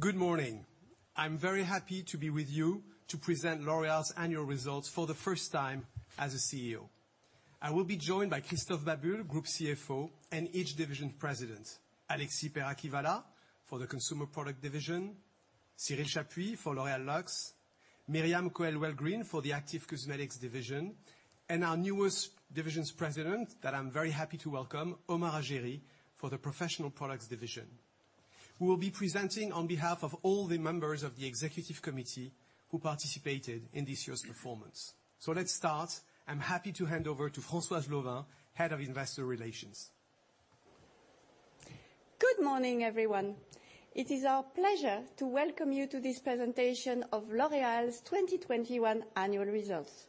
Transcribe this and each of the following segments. Good morning. I'm very happy to be with you to present L'Oréal's annual results for the first time as a CEO. I will be joined by Christophe Babule, Group CFO, and each division president, Alexis Perakis-Valat for the Consumer Products Division, Cyril Chapuy for L'Oréal Luxe, Myriam Cohen-Welgryn for the Active Cosmetics Division, and our newest division's president that I'm very happy to welcome, Omar Hajeri for the Professional Products Division. We will be presenting on behalf of all the members of the executive committee who participated in this year's performance. Let's start. I'm happy to hand over to Françoise Lauvin, Head of Investor Relations. Good morning, everyone. It is our pleasure to welcome you to this presentation of L'Oréal's 2021 annual results.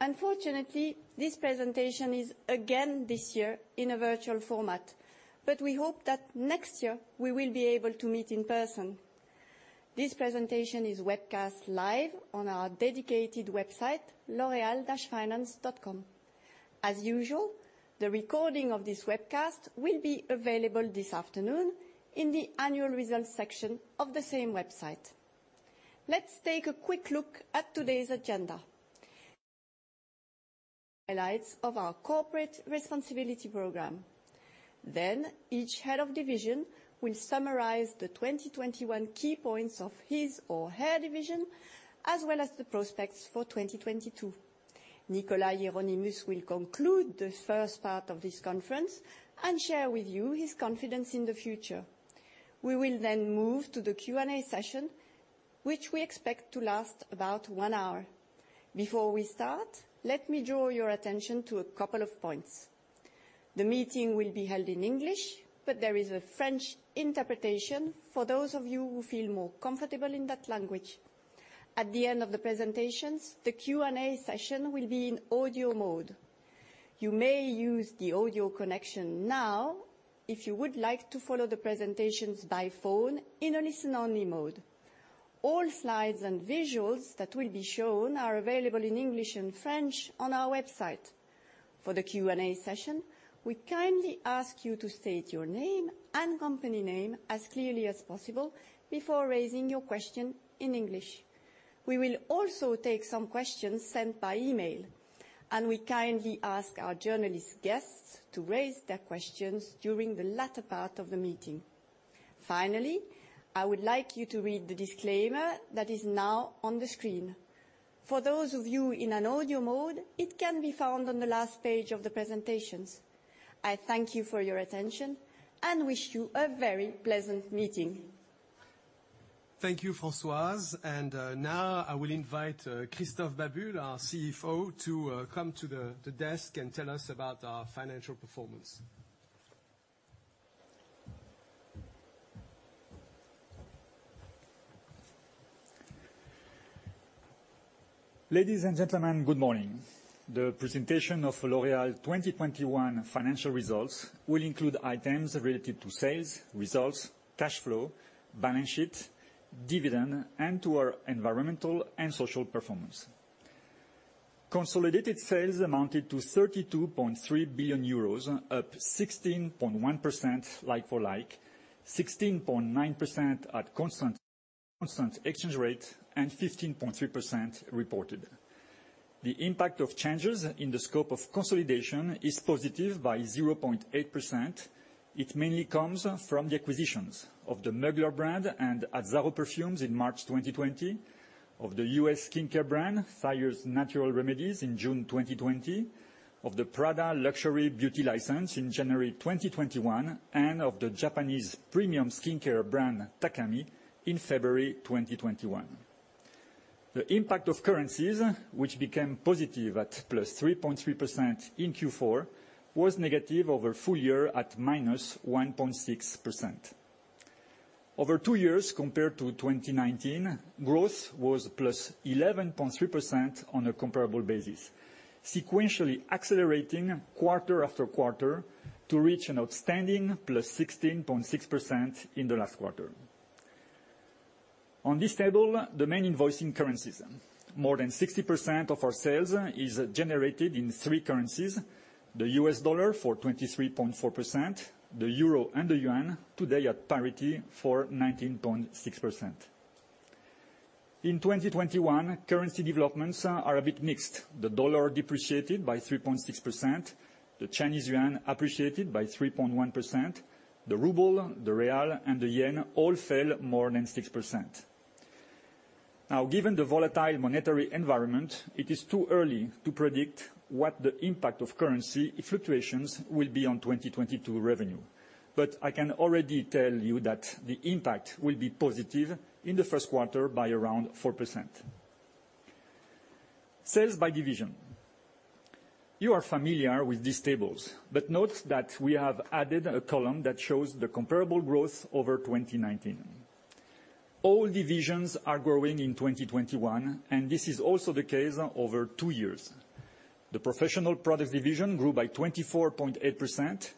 Unfortunately, this presentation is, again this year, in a virtual format, but we hope that next year we will be able to meet in person. This presentation is webcast live on our dedicated website, loreal-finance.com. As usual, the recording of this webcast will be available this afternoon in the annual results section of the same website. Let's take a quick look at today's agenda. Highlights of our corporate responsibility program. Then each head of division will summarize the 2021 key points of his or her division, as well as the prospects for 2022. Nicolas Hieronimus will conclude the first part of this conference and share with you his confidence in the future. We will then move to the Q&A session, which we expect to last about one hour. Before we start, let me draw your attention to a couple of points. The meeting will be held in English, but there is a French interpretation for those of you who feel more comfortable in that language. At the end of the presentations, the Q&A session will be in audio mode. You may use the audio connection now if you would like to follow the presentations by phone in a listen-only mode. All slides and visuals that will be shown are available in English and French on our website. For the Q&A session, we kindly ask you to state your name and company name as clearly as possible before raising your question in English. We will also take some questions sent by email, and we kindly ask our journalist guests to raise their questions during the latter part of the meeting. Finally, I would like you to read the disclaimer that is now on the screen. For those of you in an audio mode, it can be found on the last page of the presentations. I thank you for your attention and wish you a very pleasant meeting. Thank you, Françoise. Now I will invite Christophe Babule, our CFO, to come to the desk and tell us about our financial performance. Ladies and gentlemen, good morning. The presentation of L'Oréal 2021 financial results will include items related to sales, results, cash flow, balance sheet, dividend, and to our environmental and social performance. Consolidated sales amounted to 32.3 billion euros, up 16.1% like-for-like, 16.9% at constant exchange rate, and 15.3% reported. The impact of changes in the scope of consolidation is positive by 0.8%. It mainly comes from the acquisitions of the Mugler brand and Azzaro perfumes in March 2020, of the US skincare brand Thayers Natural Remedies in June 2020, of the Prada luxury beauty license in January 2021, and of the Japanese premium skincare brand Takami in February 2021. The impact of currencies, which became positive at +3.3% in Q4, was negative over full year at -1.6%. Over two years compared to 2019, growth was +11.3% on a comparable basis, sequentially accelerating quarter-after-quarter to reach an outstanding +16.6% in the last quarter. On this table, the main invoicing currencies. More than 60% of our sales is generated in three currencies: the US dollar for 23.4%, the euro and the yuan today at parity for 19.6%. In 2021, currency developments are a bit mixed. The dollar depreciated by 3.6%, the Chinese yuan appreciated by 3.1%. The ruble, the real, and the yen all fell more than 6%. Now, given the volatile monetary environment, it is too early to predict what the impact of currency fluctuations will be on 2022 revenue. I can already tell you that the impact will be positive in the first quarter by around 4%. Sales by division. You are familiar with these tables, but note that we have added a column that shows the comparable growth over 2019. All divisions are growing in 2021, and this is also the case over two years. The Professional Products Division grew by 24.8%.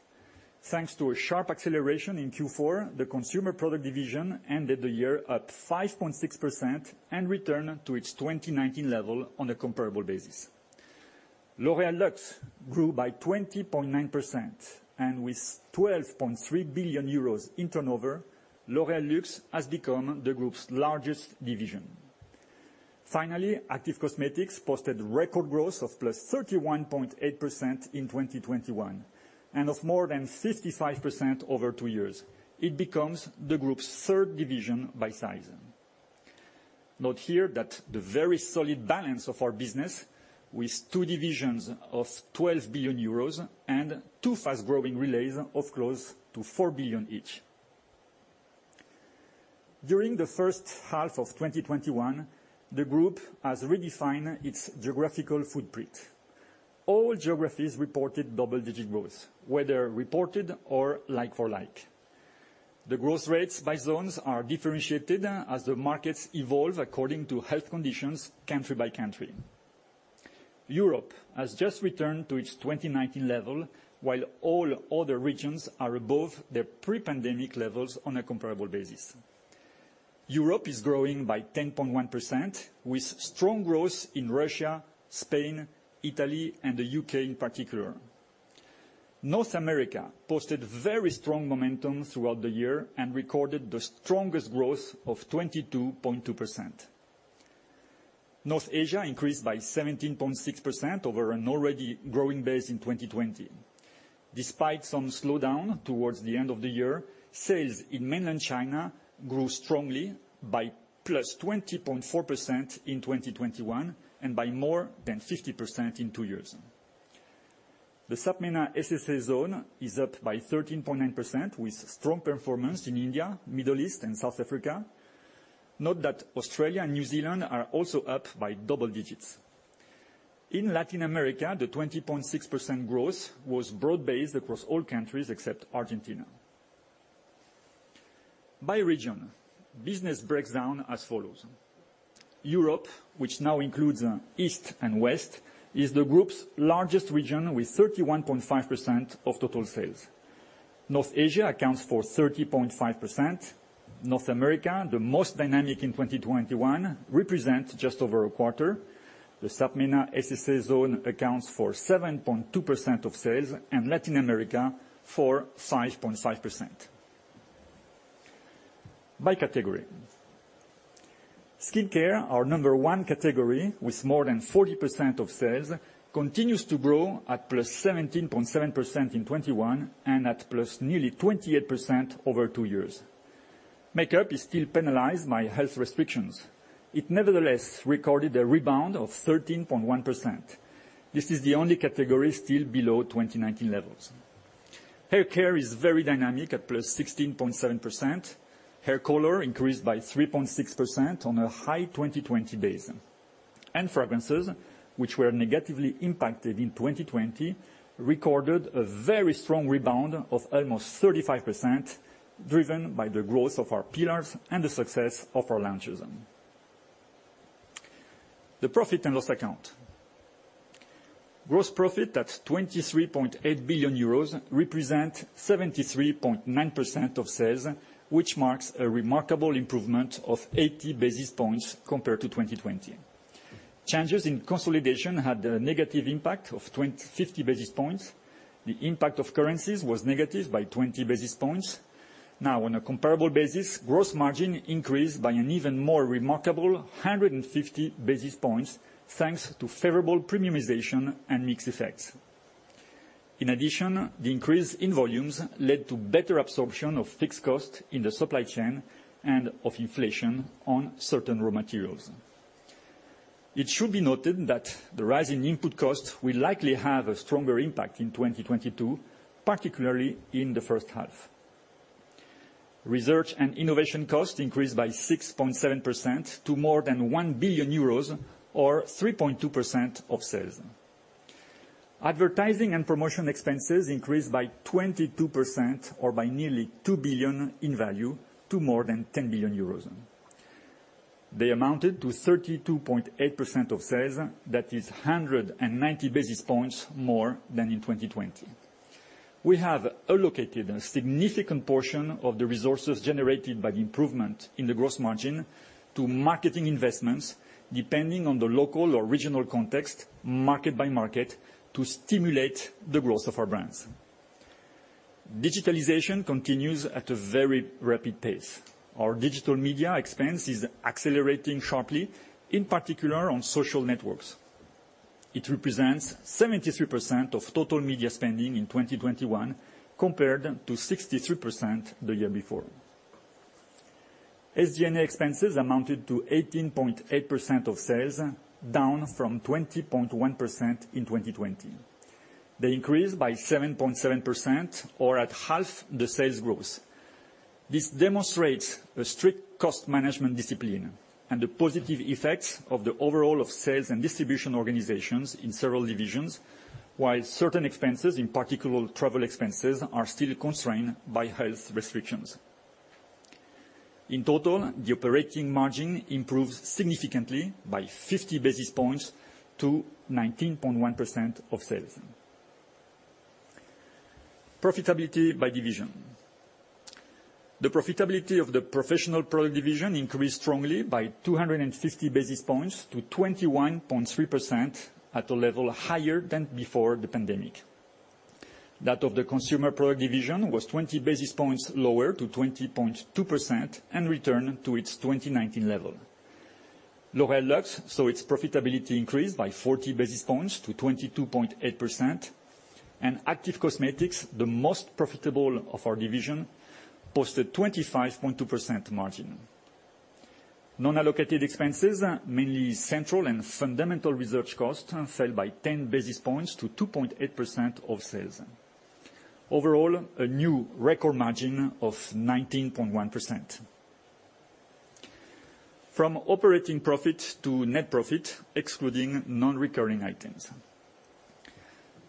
Thanks to a sharp acceleration in Q4, the Consumer Products Division ended the year at 5.6% and returned to its 2019 level on a comparable basis. L'Oréal Luxe grew by 20.9%, and with 12.3 billion euros in turnover, L'Oréal Luxe has become the group's largest division. Finally, Active Cosmetics posted record growth of +31.8% in 2021, and of more than 55% over two years. It becomes the group's third division by size. Note here that the very solid balance of our business, with two divisions of 12 billion euros and two fast-growing relays of close to 4 billion each. During the first half of 2021, the group has redefined its geographical footprint. All geographies reported double-digit growth, whether reported or like-for-like. The growth rates by zones are differentiated as the markets evolve according to health conditions country by country. Europe has just returned to its 2019 level, while all other regions are above their pre-pandemic levels on a comparable basis. Europe is growing by 10.1%, with strong growth in Russia, Spain, Italy, and the U.K. in particular. North America posted very strong momentum throughout the year and recorded the strongest growth of 22.2%. North Asia increased by 17.6% over an already growing base in 2020. Despite some slowdown towards the end of the year, sales in mainland China grew strongly by +20.4% in 2021, and by more than 50% in two years. The SAPMENA-SSA zone is up by 13.9% with strong performance in India, Middle East, and South Africa. Note that Australia and New Zealand are also up by double digits. In Latin America, the 20.6% growth was broad-based across all countries except Argentina. By region, business breaks down as follows: Europe, which now includes East and West, is the group's largest region with 31.5% of total sales. North Asia accounts for 30.5%. North America, the most dynamic in 2021, represents just over a quarter. The SAPMENA-SSA zone accounts for 7.2% of sales, and Latin America for 5.5%. By category. Skincare, our number one category with more than 40% of sales, continues to grow at +17.7% in 2021 and at plus nearly 28% over two years. Makeup is still penalized by health restrictions. It nevertheless recorded a rebound of 13.1%. This is the only category still below 2019 levels. Hair care is very dynamic at +16.7%. Hair color increased by 3.6% on a high 2020 base. Fragrances, which were negatively impacted in 2020, recorded a very strong rebound of almost 35%, driven by the growth of our pillars and the success of our launches. The profit and loss account. Gross profit at 23.8 billion euros represents 73.9% of sales, which marks a remarkable improvement of 80 basis points compared to 2020. Changes in consolidation had a negative impact of 20-50 basis points. The impact of currencies was negative by 20 basis points. Now, on a comparable basis, gross margin increased by an even more remarkable 150 basis points, thanks to favorable premiumization and mix effects. In addition, the increase in volumes led to better absorption of fixed costs in the supply chain and of inflation on certain raw materials. It should be noted that the rise in input costs will likely have a stronger impact in 2022, particularly in the first half. Research and innovation costs increased by 6.7% to more than 1 billion euros or 3.2% of sales. Advertising and promotion expenses increased by 22% or by nearly 2 billion in value to more than 10 billion euros. They amounted to 32.8% of sales. That is 190 basis points more than in 2020. We have allocated a significant portion of the resources generated by the improvement in the gross margin to marketing investments, depending on the local or regional context, market by market, to stimulate the growth of our brands. Digitalization continues at a very rapid pace. Our digital media expense is accelerating sharply, in particular on social networks. It represents 73% of total media spending in 2021, compared to 63% the year before. SG&A expenses amounted to 18.8% of sales, down from 20.1% in 2020. They increased by 7.7% or at half the sales growth. This demonstrates a strict cost management discipline and the positive effects of the overhaul of sales and distribution organizations in several divisions, while certain expenses, in particular travel expenses, are still constrained by health restrictions. In total, the operating margin improved significantly by 50 basis points to 19.1% of sales. Profitability by division. The profitability of the Professional Products Division increased strongly by 250 basis points to 21.3% at a level higher than before the pandemic. That of the Consumer Products Division was 20 basis points lower to 20.2% and returned to its 2019 level. L'Oréal Luxe saw its profitability increase by 40 basis points to 22.8%. Active Cosmetics, the most profitable of our divisions, posted 25.2% margin. Non-allocated expenses, mainly central and fundamental research costs, fell by 10 basis points to 2.8% of sales. Overall, a new record margin of 19.1%. From operating profit to net profit, excluding non-recurring items,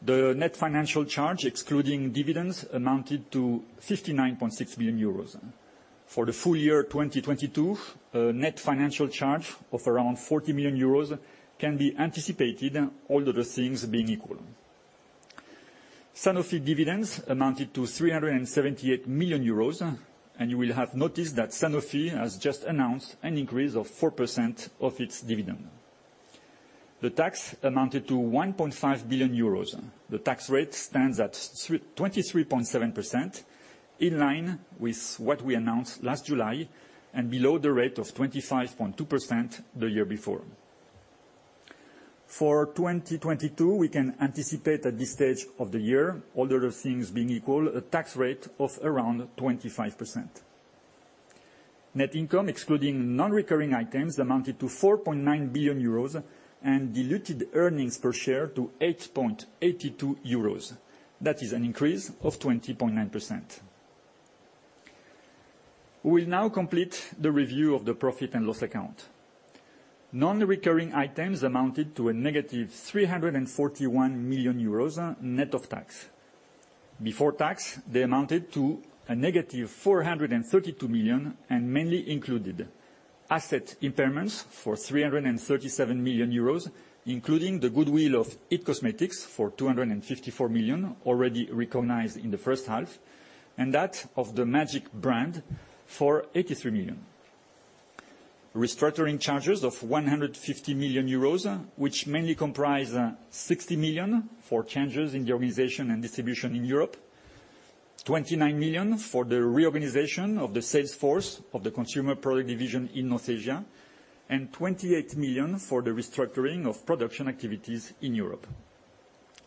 the net financial charge, excluding dividends, amounted to 59.6 million euros. For the full year 2022, a net financial charge of around 40 million euros can be anticipated, all other things being equal. Sanofi dividends amounted to 378 million euros. You will have noticed that Sanofi has just announced an increase of 4% of its dividend. The tax amounted to 1.5 billion euros. The tax rate stands at 23.7%, in line with what we announced last July and below the rate of 25.2% the year before. For 2022, we can anticipate at this stage of the year, all other things being equal, a tax rate of around 25%. Net income, excluding non-recurring items, amounted to 4.9 billion euros and diluted earnings per share to 8.82 euros. That is an increase of 20.9%. We'll now complete the review of the profit and loss account. Non-recurring items amounted to a -341 million euros net of tax. Before tax, they amounted to -432 million and mainly included asset impairments for 337 million euros, including the goodwill of IT Cosmetics for 254 million already recognized in the first half, and that of Magic Holdings for 83 million. Restructuring charges of 150 million euros, which mainly comprise 60 million for changes in the organization and distribution in Europe, 29 million for the reorganization of the sales force of the Consumer Products Division in North Asia, and 28 million for the restructuring of production activities in Europe.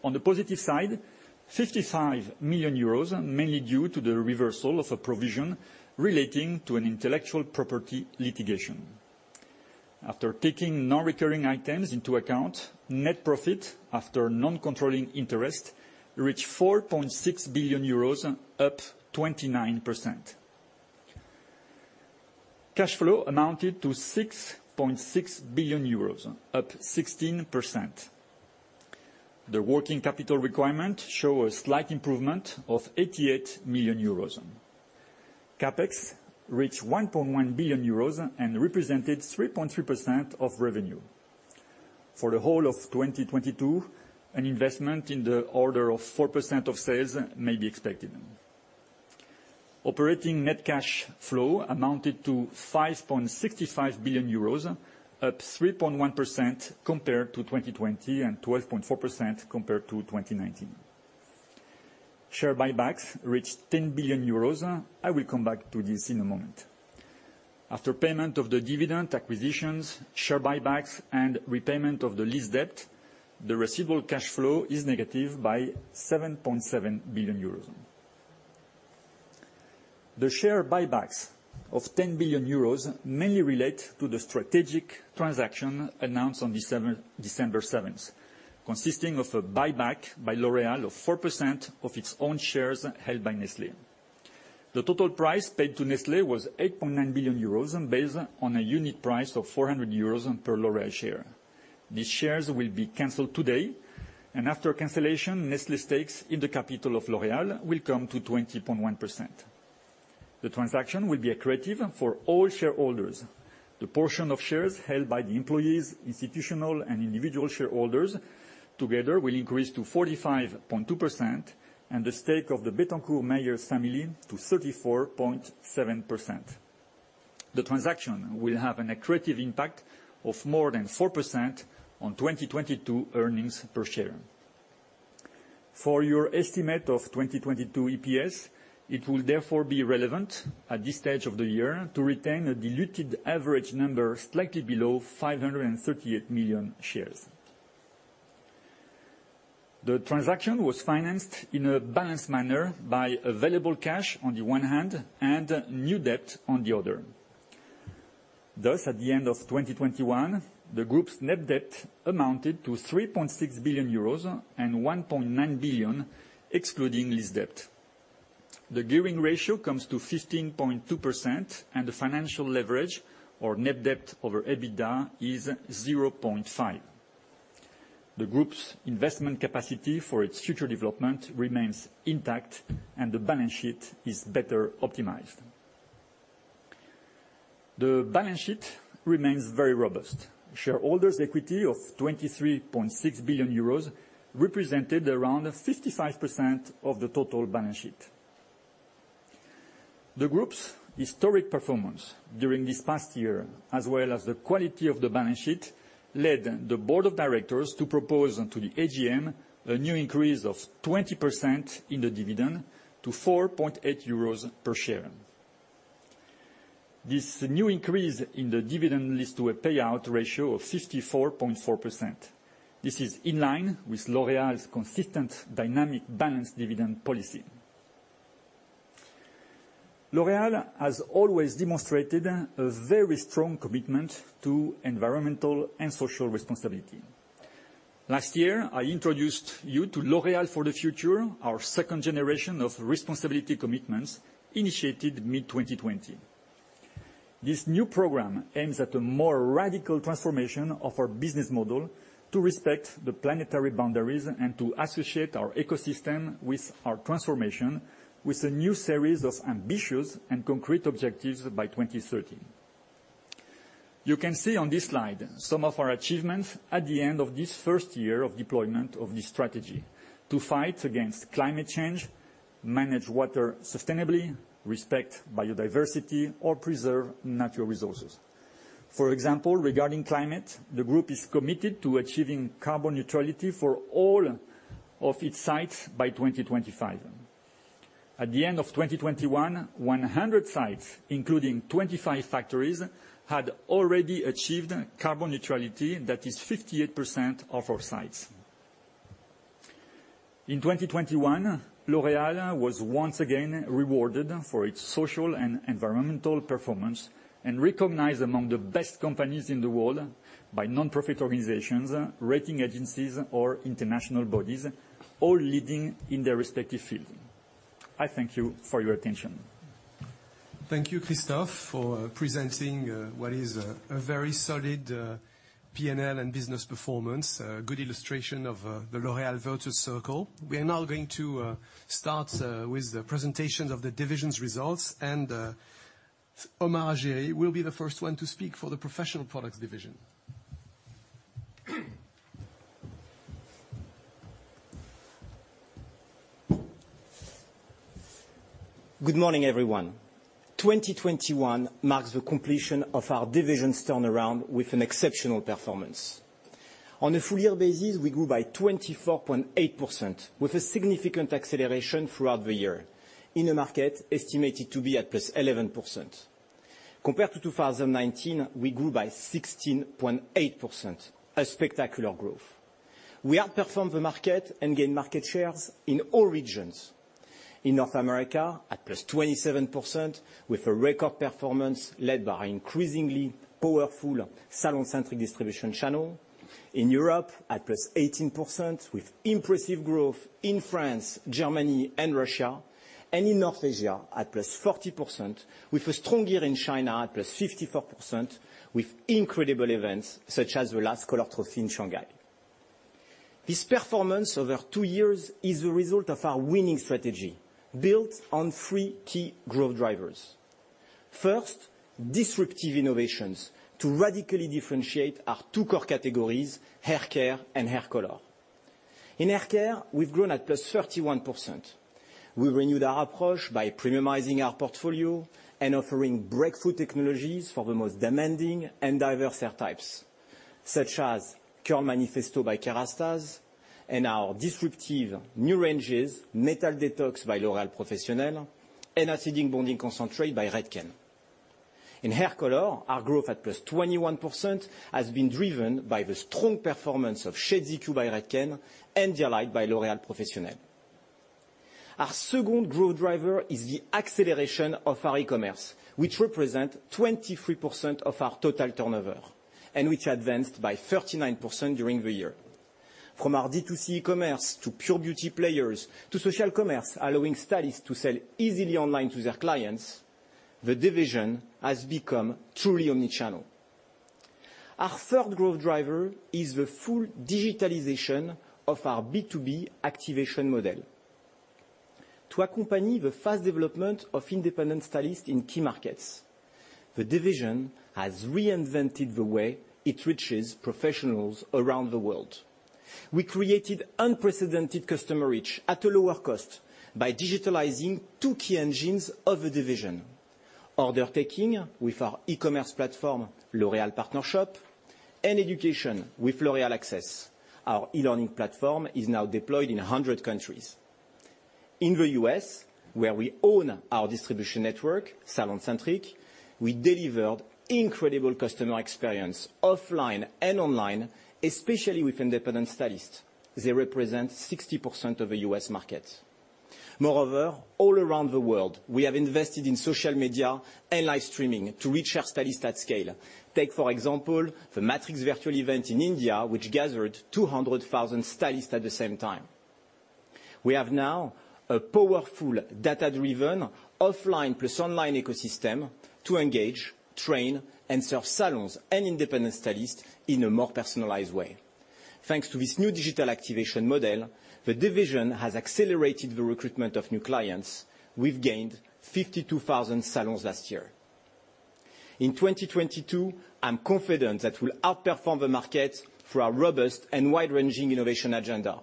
On the positive side, 55 million euros, mainly due to the reversal of a provision relating to an intellectual property litigation. After taking non-recurring items into account, net profit after non-controlling interest reached 4.6 billion euros, up 29%. Cash flow amounted to 6.6 billion euros, up 16%. The working capital requirement shows a slight improvement of 88 million euros. CapEx reached 1.1 billion euros and represented 3.3% of revenue. For the whole of 2022, an investment in the order of 4% of sales may be expected. Operating net cash flow amounted to 5.65 billion euros, up 3.1% compared to 2020 and 12.4% compared to 2019. Share buybacks reached 10 billion euros. I will come back to this in a moment. After payment of the dividend, acquisitions, share buybacks, and repayment of the lease debt, the resulting cash flow is negative by 7.7 billion euros. The share buybacks of 10 billion euros mainly relate to the strategic transaction announced on December 7th, consisting of a buyback by L'Oréal of 4% of its own shares held by Nestlé. The total price paid to Nestlé was 8.9 billion euros based on a unit price of 400 euros per L'Oréal share. These shares will be canceled today, and after cancellation, Nestlé's stakes in the capital of L'Oréal will come to 20.1%. The transaction will be accretive for all shareholders. The portion of shares held by the employees, institutional, and individual shareholders together will increase to 45.2%, and the stake of the Bettencourt Meyers family to 34.7%. The transaction will have an accretive impact of more than 4% on 2022 earnings per share. For your estimate of 2022 EPS, it will therefore be relevant at this stage of the year to retain a diluted average number slightly below 538 million shares. The transaction was financed in a balanced manner by available cash on the one hand and new debt on the other. Thus, at the end of 2021, the group's net debt amounted to 3.6 billion euros and 1.9 billion excluding lease debt. The gearing ratio comes to 15.2%, and the financial leverage or net debt over EBITDA is 0.5%. The group's investment capacity for its future development remains intact, and the balance sheet is better optimized. The balance sheet remains very robust. Shareholders equity of 23.6 billion euros represented around 55% of the total balance sheet. The group's historic performance during this past year, as well as the quality of the balance sheet, led the board of directors to propose to the AGM a new increase of 20% in the dividend to 4.8 euros per share. This new increase in the dividend leads to a payout ratio of 54.4%. This is in line with L'Oréal's consistent dynamic balance dividend policy. L'Oréal has always demonstrated a very strong commitment to environmental and social responsibility. Last year, I introduced you to L'Oréal for the Future, our second generation of responsibility commitments initiated mid-2020. This new program aims at a more radical transformation of our business model to respect the planetary boundaries and to associate our ecosystem with our transformation with a new series of ambitious and concrete objectives by 2030. You can see on this slide some of our achievements at the end of this first year of deployment of this strategy to fight against climate change, manage water sustainably, respect biodiversity, or preserve natural resources. For example, regarding climate, the group is committed to achieving carbon neutrality for all of its sites by 2025. At the end of 2021, 100 sites, including 25 factories, had already achieved carbon neutrality that is 58% of our sites. In 2021, L'Oréal was once again rewarded for its social and environmental performance and recognized among the best companies in the world by nonprofit organizations, rating agencies, or international bodies, all leading in their respective field. I thank you for your attention. Thank you, Christophe, for presenting what is a very solid P&L and business performance, a good illustration of the L'Oréal virtuous circle. We are now going to start with the presentation of the divisions results, and Omar Hajeri will be the first one to speak for the Professional Products Division. Good morning, everyone. 2021 marks the completion of our division's turnaround with an exceptional performance. On a full year basis, we grew by 24.8% with a significant acceleration throughout the year in a market estimated to be at +11%. Compared to 2019, we grew by 16.8%, a spectacular growth. We outperformed the market and gained market shares in all regions. In North America, at +27% with a record performance led by increasingly powerful SalonCentric distribution channel. In Europe, at +18% with impressive growth in France, Germany, and Russia. In North Asia, at +40% with a strong year in China at +54% with incredible events such as the last Colour Trophy in Shanghai. This performance over two years is a result of our winning strategy built on three key growth drivers. First, disruptive innovations to radically differentiate our two core categories, hair care and hair color. In hair care, we've grown at +31%. We renew that approach by premiumizing our portfolio and offering breakthrough technologies for the most demanding and diverse hair types, such as Curl Manifesto by Kérastase and our disruptive new ranges, Metal Detox by L'Oréal Professionnel and Acidic Bonding Concentrate by Redken. In hair color, our growth at +21% has been driven by the strong performance of Shades EQ by Redken and Dialight by L'Oréal Professionnel. Our second growth driver is the acceleration of our e-commerce, which represent 23% of our total turnover and which advanced by 39% during the year. From our D2C commerce to pure beauty players to social commerce, allowing stylists to sell easily online to their clients, the division has become truly omni-channel. Our third growth driver is the full digitalization of our B2B activation model. To accompany the fast development of independent stylists in key markets, the division has reinvented the way it reaches professionals around the world. We created unprecedented customer reach at a lower cost by digitalizing two key engines of the division, order taking with our e-commerce platform, L'Oréal Partner Shop, and education with L'Oréal Access. Our e-learning platform is now deployed in 100 countries. In the U.S., where we own our distribution network, SalonCentric, we delivered incredible customer experience offline and online, especially with independent stylists. They represent 60% of the U.S. market. Moreover, all around the world, we have invested in social media and live streaming to reach our stylists at scale. Take, for example, the Matrix virtual event in India, which gathered 200,000 stylists at the same time. We have now a powerful data-driven offline plus online ecosystem to engage, train, and serve salons and independent stylists in a more personalized way. Thanks to this new digital activation model, the division has accelerated the recruitment of new clients. We've gained 52,000 salons last year. In 2022, I'm confident that we'll outperform the market through our robust and wide-ranging innovation agenda.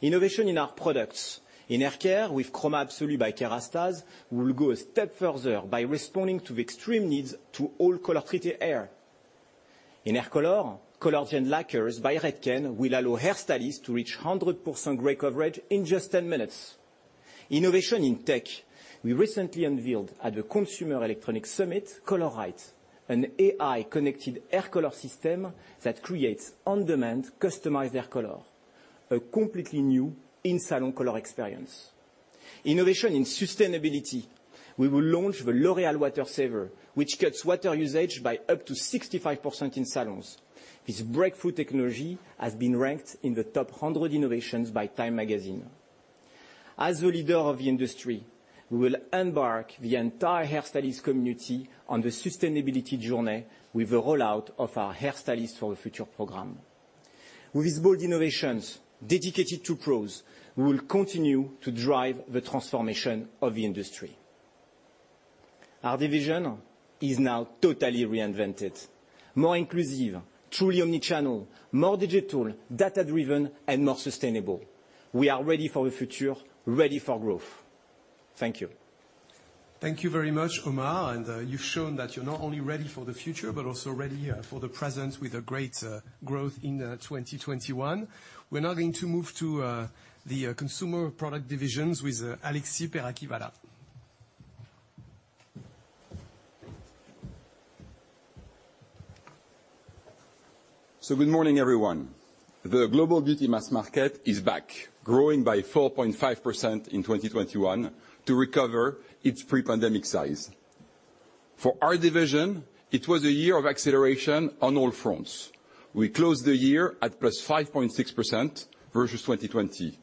Innovation in our products. In hair care, with Chroma Absolu by Kérastase, we will go a step further by responding to the extreme needs of all color-treated hair. In hair color, Color Gels Lacquers by Redken will allow hair stylists to reach 100% gray coverage in just 10 minutes. Innovation in tech, we recently unveiled at the Consumer Electronics Show, Color Right, an AI-connected hair color system that creates on-demand customized hair color, a completely new in-salon color experience. Innovation in sustainability, we will launch the L'Oréal Water Saver, which cuts water usage by up to 65% in salons. This breakthrough technology has been ranked in the top 100 innovations by Time Magazine. As a leader of the industry, we will embark the entire hairstylists community on the sustainability journey with the rollout of our Hairstylists for the Future program. With these bold innovations dedicated to pros, we will continue to drive the transformation of the industry. Our division is now totally reinvented. More inclusive, truly omni-channel, more digital, data-driven, and more sustainable. We are ready for the future, ready for growth. Thank you. Thank you very much, Omar, and you've shown that you're not only ready for the future, but also ready for the present with a great growth in 2021. We're now going to move to the Consumer Products Division with Alexis Perakis-Valat. Good morning, everyone. The global beauty mass market is back, growing by 4.5% in 2021 to recover its pre-pandemic size. For our division, it was a year of acceleration on all fronts. We closed the year at +5.6% versus 2020.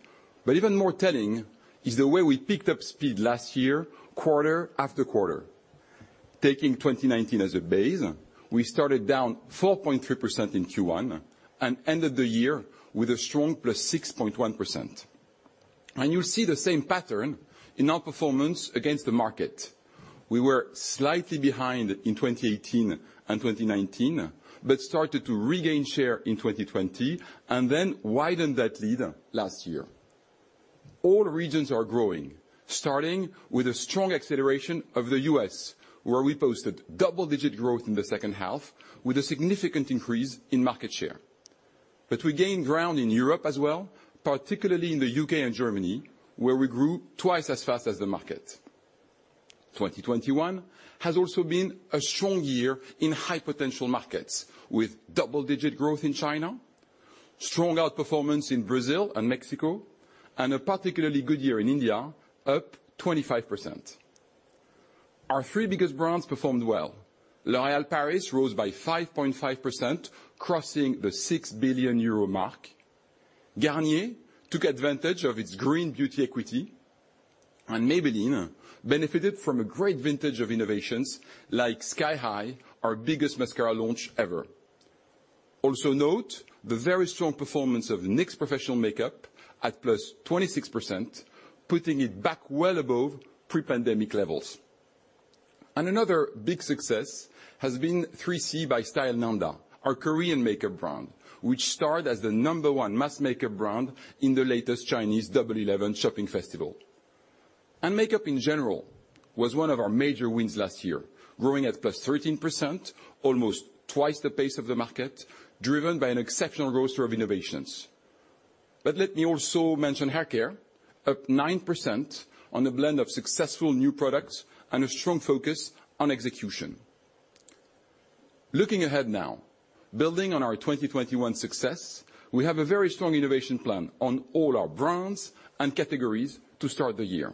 Even more telling is the way we picked up speed last year, quarter-after-quarter. Taking 2019 as a base, we started down 4.3% in Q1 and ended the year with a strong +6.1%. You'll see the same pattern in our performance against the market. We were slightly behind in 2018 and 2019, but started to regain share in 2020 and then widened that lead last year. All regions are growing, starting with a strong acceleration of the U.S., where we posted double-digit growth in the second half with a significant increase in market share. We gained ground in Europe as well, particularly in the U.K. and Germany, where we grew twice as fast as the market. 2021 has also been a strong year in high-potential markets, with double-digit growth in China, strong outperformance in Brazil and Mexico, and a particularly good year in India, up 25%. Our three biggest brands performed well. L'Oréal Paris rose by 5.5%, crossing the 6 billion euro mark. Garnier took advantage of its green beauty equity. Maybelline benefited from a great vintage of innovations like Sky High, our biggest mascara launch ever. Also note the very strong performance of NYX Professional Makeup at +26%, putting it back well above pre-pandemic levels. Another big success has been 3CE by Stylenanda, our Korean makeup brand, which starred as the number one mass makeup brand in the latest Chinese Double Eleven shopping festival. Makeup in general was one of our major wins last year, growing at +13%, almost twice the pace of the market, driven by an exceptional roster of innovations. Let me also mention haircare, up 9% on a blend of successful new products and a strong focus on execution. Looking ahead now, building on our 2021 success, we have a very strong innovation plan on all our brands and categories to start the year.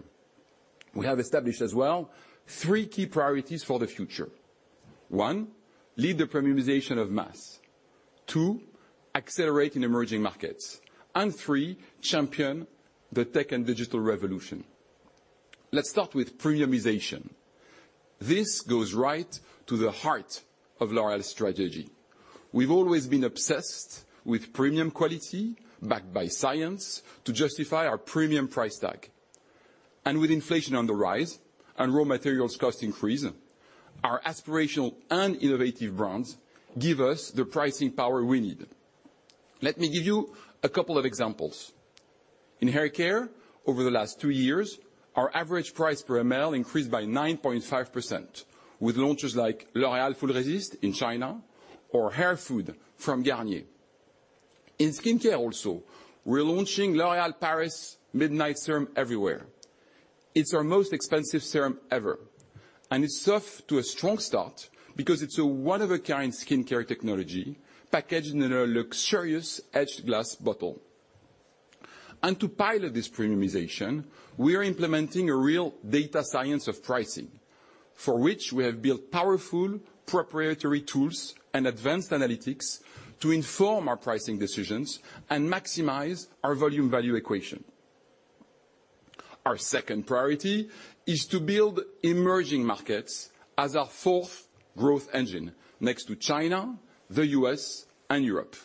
We have established as well three key priorities for the future. One, lead the premiumization of mass. Two, accelerate in emerging markets. Three, champion the tech and digital revolution. Let's start with premiumization. This goes right to the heart of L'Oréal's strategy. We've always been obsessed with premium quality backed by science to justify our premium price tag. With inflation on the rise and raw materials cost increase, our aspirational and innovative brands give us the pricing power we need. Let me give you a couple of examples. In haircare, over the last two years, our average price per ML increased by 9.5% with launches like L'Oréal Full Resist in China or Hair Food from Garnier. In skincare also, we're launching L'Oréal Paris Midnight Serum everywhere. It's our most expensive serum ever, and it's off to a strong start because it's a one-of-a-kind skincare technology packaged in a luxurious etched glass bottle. To pilot this premiumization, we are implementing a real data science of pricing, for which we have built powerful proprietary tools and advanced analytics to inform our pricing decisions and maximize our volume-value equation. Our second priority is to build emerging markets as our fourth growth engine next to China, the U.S., and Europe.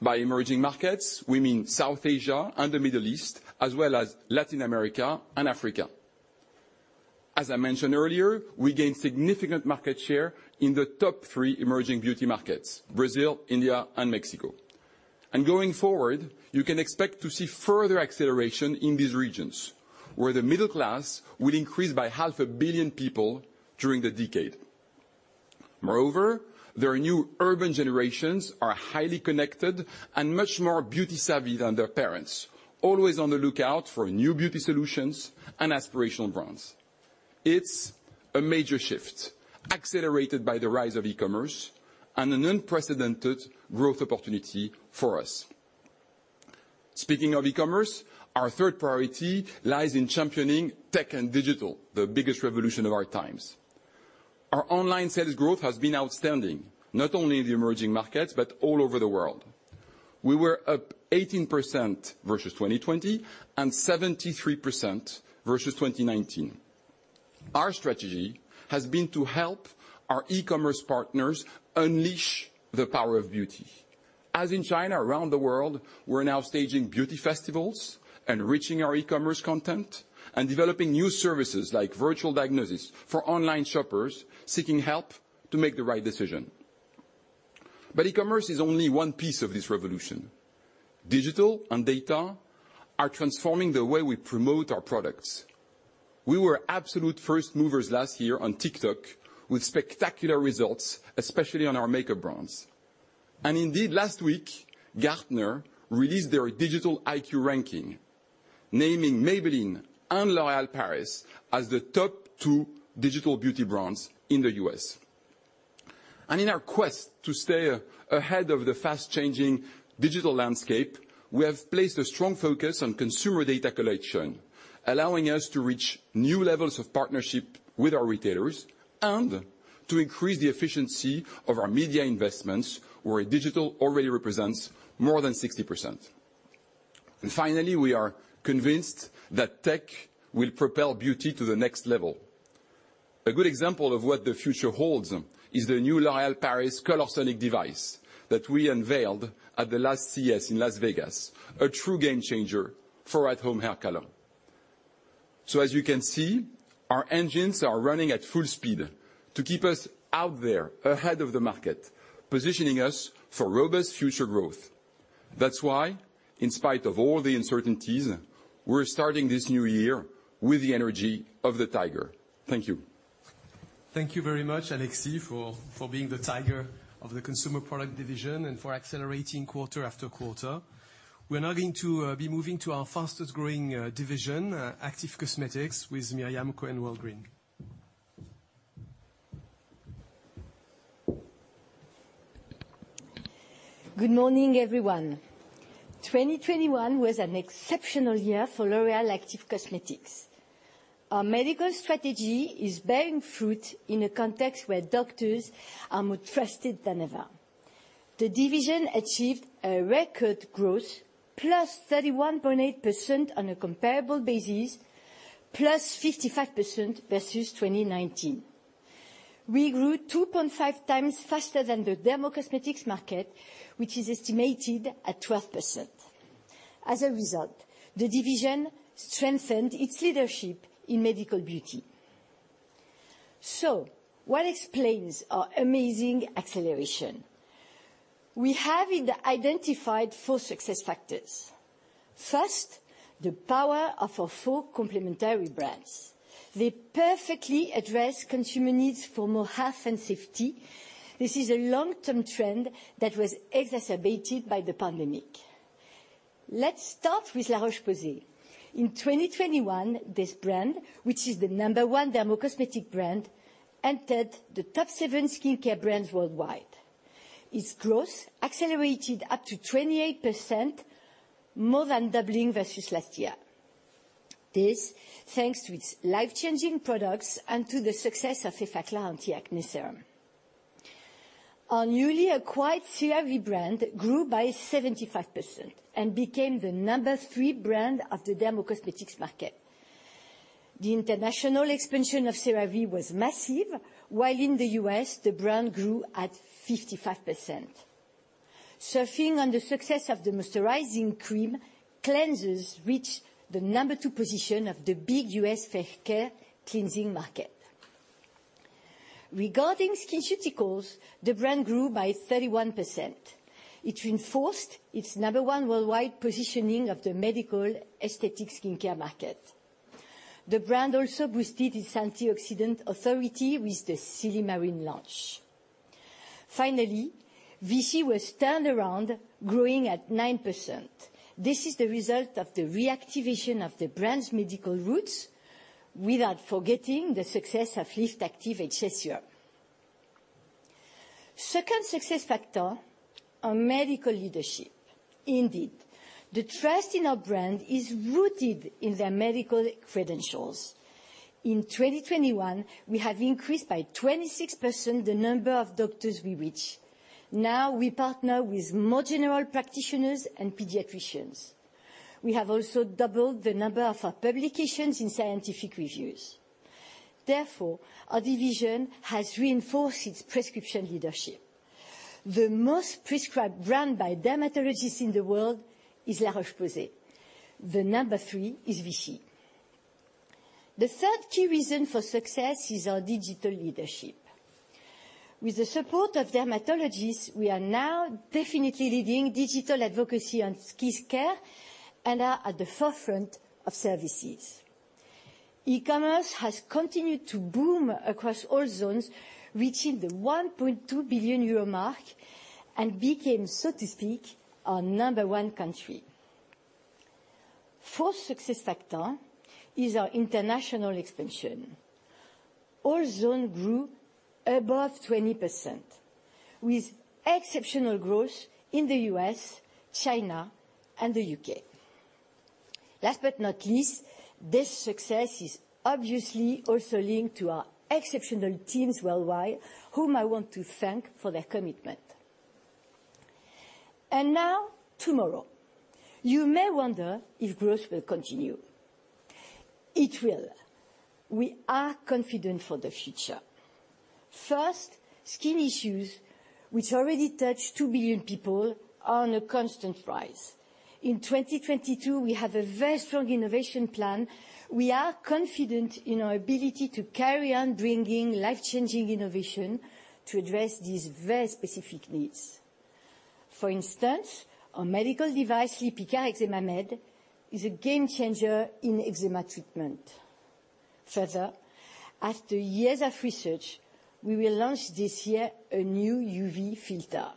By emerging markets, we mean South Asia and the Middle East, as well as Latin America and Africa. As I mentioned earlier, we gained significant market share in the top three emerging beauty markets, Brazil, India, and Mexico. Going forward, you can expect to see further acceleration in these regions, where the middle class will increase by half a billion people during the decade. Moreover, their new urban generations are highly connected and much more beauty-savvy than their parents, always on the lookout for new beauty solutions and aspirational brands. It's a major shift accelerated by the rise of e-commerce and an unprecedented growth opportunity for us. Speaking of e-commerce, our third priority lies in championing tech and digital, the biggest revolution of our times. Our online sales growth has been outstanding, not only in the emerging markets, but all over the world. We were up 18% versus 2020, and 73% versus 2019. Our strategy has been to help our e-commerce partners unleash the power of beauty. As in China, around the world, we're now staging beauty festivals and enriching our e-commerce content and developing new services like virtual diagnosis for online shoppers seeking help to make the right decision. E-commerce is only one piece of this revolution. Digital and data are transforming the way we promote our products. We were absolute first movers last year on TikTok with spectacular results, especially on our makeup brands. Indeed, last week, Gartner released their Digital IQ ranking, naming Maybelline and L'Oréal Paris as the top two digital beauty brands in the U.S. In our quest to stay ahead of the fast-changing digital landscape, we have placed a strong focus on consumer data collection, allowing us to reach new levels of partnership with our retailers and to increase the efficiency of our media investments where digital already represents more than 60%. Finally, we are convinced that tech will propel beauty to the next level. A good example of what the future holds is the new L'Oréal Paris Colorsonic device that we unveiled at the last CES in Las Vegas, a true game changer for at-home hair color. As you can see, our engines are running at full speed to keep us out there ahead of the market, positioning us for robust future growth. That's why, in spite of all the uncertainties, we're starting this new year with the energy of the tiger. Thank you. Thank you very much, Alexis, for being the tiger of the Consumer Products Division and for accelerating quarter-after-quarter. We're now going to be moving to our fastest growing division, Active Cosmetics, with Myriam Cohen-Welgryn. Good morning, everyone. 2021 was an exceptional year for L'Oréal Active Cosmetics. Our medical strategy is bearing fruit in a context where doctors are more trusted than ever. The division achieved a record growth +31.8% on a comparable basis, +55% versus 2019. We grew 2.5x faster than the dermo-cosmetics market, which is estimated at 12%. As a result, the division strengthened its leadership in medical beauty. What explains our amazing acceleration? We have identified four success factors. First, the power of our four complementary brands. They perfectly address consumer needs for more health and safety. This is a long-term trend that was exacerbated by the pandemic. Let's start with La Roche-Posay. In 2021, this brand, which is the number one dermo-cosmetic brand, entered the top seven skincare brands worldwide. Its growth accelerated up to 28%, more than doubling versus last year. This thanks to its life-changing products and to the success of Effaclar anti-acne serum. Our newly acquired CeraVe brand grew by 75% and became the number three brand of the dermo-cosmetics market. The international expansion of CeraVe was massive, while in the U.S., the brand grew at 55%. Surfing on the success of the moisturizing cream, cleansers reached the number two position of the big U.S. face care cleansing market. Regarding SkinCeuticals, the brand grew by 31%. It reinforced its number one worldwide positioning of the medical aesthetic skincare market. The brand also boosted its antioxidant authority with the Silymarin launch. Finally, Vichy was turned around, growing at 9%. This is the result of the reactivation of the brand's medical roots without forgetting the success of LiftActiv H.A. Serum. Second success factor, our medical leadership. Indeed, the trust in our brand is rooted in their medical credentials. In 2021, we have increased by 26% the number of doctors we reach. Now we partner with more general practitioners and pediatricians. We have also doubled the number of our publications in scientific reviews. Therefore, our division has reinforced its prescription leadership. The most prescribed brand by dermatologists in the world is La Roche-Posay. The number three is Vichy. The third key reason for success is our digital leadership. With the support of dermatologists, we are now definitely leading digital advocacy on skincare and are at the forefront of services. E-commerce has continued to boom across all zones, reaching the 1.2 billion euro mark and became, so to speak, our number one country. Fourth success factor is our international expansion. All zones grew above 20%, with exceptional growth in the U.S., China, and the U.K. Last but not least, this success is obviously also linked to our exceptional teams worldwide, whom I want to thank for their commitment. Now tomorrow. You may wonder if growth will continue. It will. We are confident for the future. First, skin issues, which already touched 2 billion people, are on a constant rise. In 2022, we have a very strong innovation plan. We are confident in our ability to carry on bringing life-changing innovation to address these very specific needs. For instance, our medical device, Lipikar Eczema MED, is a game changer in eczema treatment. Further, after years of research, we will launch this year a new UV filter.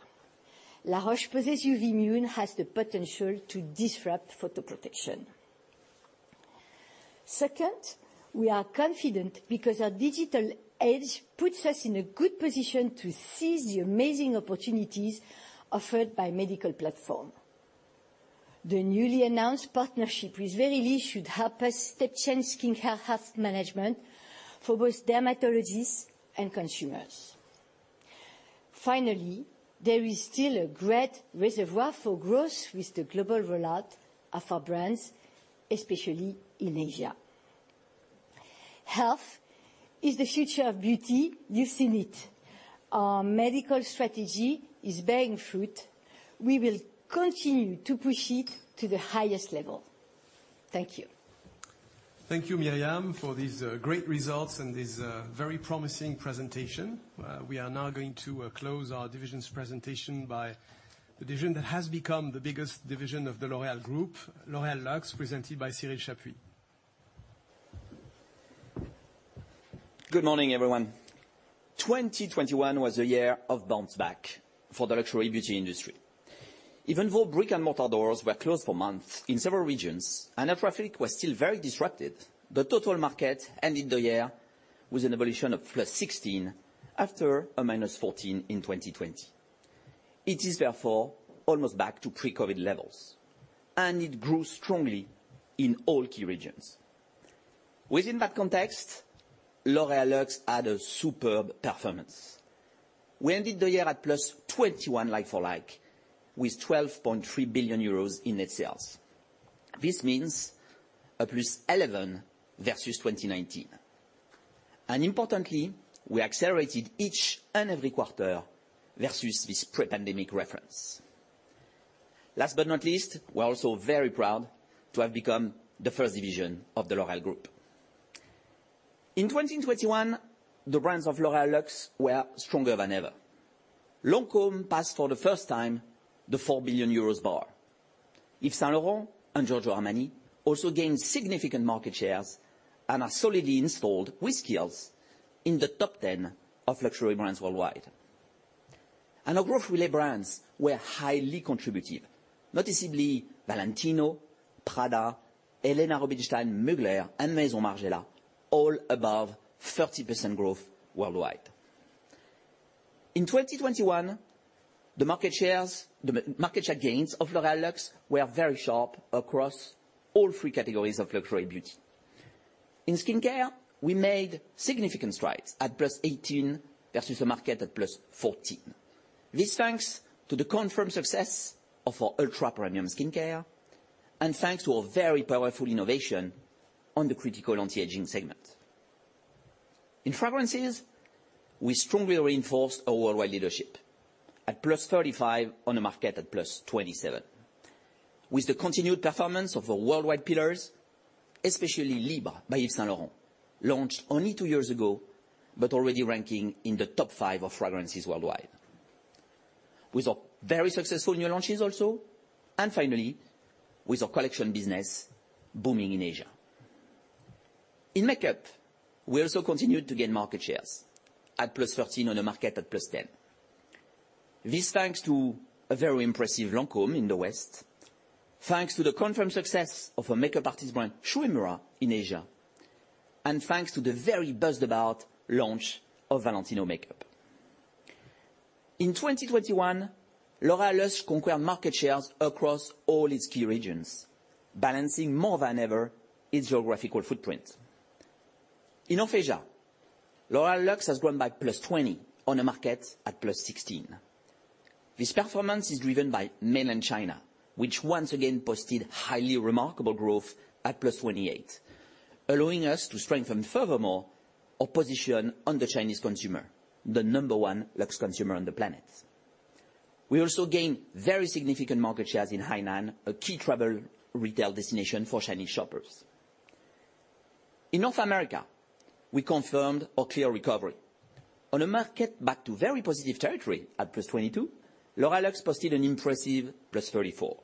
La Roche-Posay's UVMune has the potential to disrupt photoprotection. Second, we are confident because our digital edge puts us in a good position to seize the amazing opportunities offered by medical platform. The newly announced partnership with Verily should help us step change skin health management for both dermatologists and consumers. Finally, there is still a great reservoir for growth with the global rollout of our brands, especially in Asia. Health is the future of beauty. You've seen it. Our medical strategy is bearing fruit. We will continue to push it to the highest level. Thank you. Thank you, Myriam, for these great results and this very promising presentation. We are now going to close our divisions presentation by the division that has become the biggest division of the L'Oréal Group, L'Oréal Luxe, presented by Cyril Chapuy. Good morning, everyone. 2021 was the year of bounce back for the luxury beauty industry. Even though brick-and-mortar doors were closed for months in several regions and air traffic was still very disrupted, the total market ended the year with an evolution of +16% after a -14% in 2020. It is therefore almost back to pre-COVID levels, and it grew strongly in all key regions. Within that context, L'Oréal Luxe had a superb performance. We ended the year at +21% like-for-like with 12.3 billion euros in net sales. This means a +11% versus 2019. Importantly, we accelerated each and every quarter versus this pre-pandemic reference. Last but not least, we are also very proud to have become the first division of the L'Oréal Group. In 2021, the brands of L'Oréal Luxe were stronger than ever. Lancôme passed for the first time the 4 billion euros bar. Yves Saint Laurent and Giorgio Armani also gained significant market shares and are solidly installed with sales in the top ten of luxury brands worldwide. Our growth relay brands were highly contributive. Notably Valentino, Prada, Helena Rubinstein, Mugler, and Maison Margiela, all above 30% growth worldwide. In 2021, the market share gains of L'Oréal Luxe were very sharp across all three categories of luxury beauty. In skincare, we made significant strides at +18% versus a market at +14%. This thanks to the confirmed success of our ultra-premium skincare and thanks to our very powerful innovation on the critical antiaging segment. In fragrances, we strongly reinforced our worldwide leadership at +35% on a market at +27%, with the continued performance of the worldwide pillars, especially Libre by Yves Saint Laurent, launched only two years ago, but already ranking in the top five of fragrances worldwide. With our very successful new launches also, and finally, with our collection business booming in Asia. In makeup, we also continued to gain market shares at +13% on a market at +10%. This thanks to a very impressive Lancôme in the West, thanks to the confirmed success of our makeup artist brand, Shu Uemura, in Asia, and thanks to the very buzzed-about launch of Valentino Beauty in 2021. L'Oréal Luxe conquered market shares across all its key regions, balancing more than ever its geographical footprint. In Oceania, L'Oréal Luxe has grown by +20% on a market at +16%. This performance is driven by Mainland China, which once again posted highly remarkable growth at +28%, allowing us to strengthen furthermore our position on the Chinese consumer, the number one Luxe consumer on the planet. We also gained very significant market shares in Hainan, a key travel retail destination for Chinese shoppers. In North America, we confirmed our clear recovery. On a market back to very positive territory at +22%, L'Oréal Luxe posted an impressive +34%.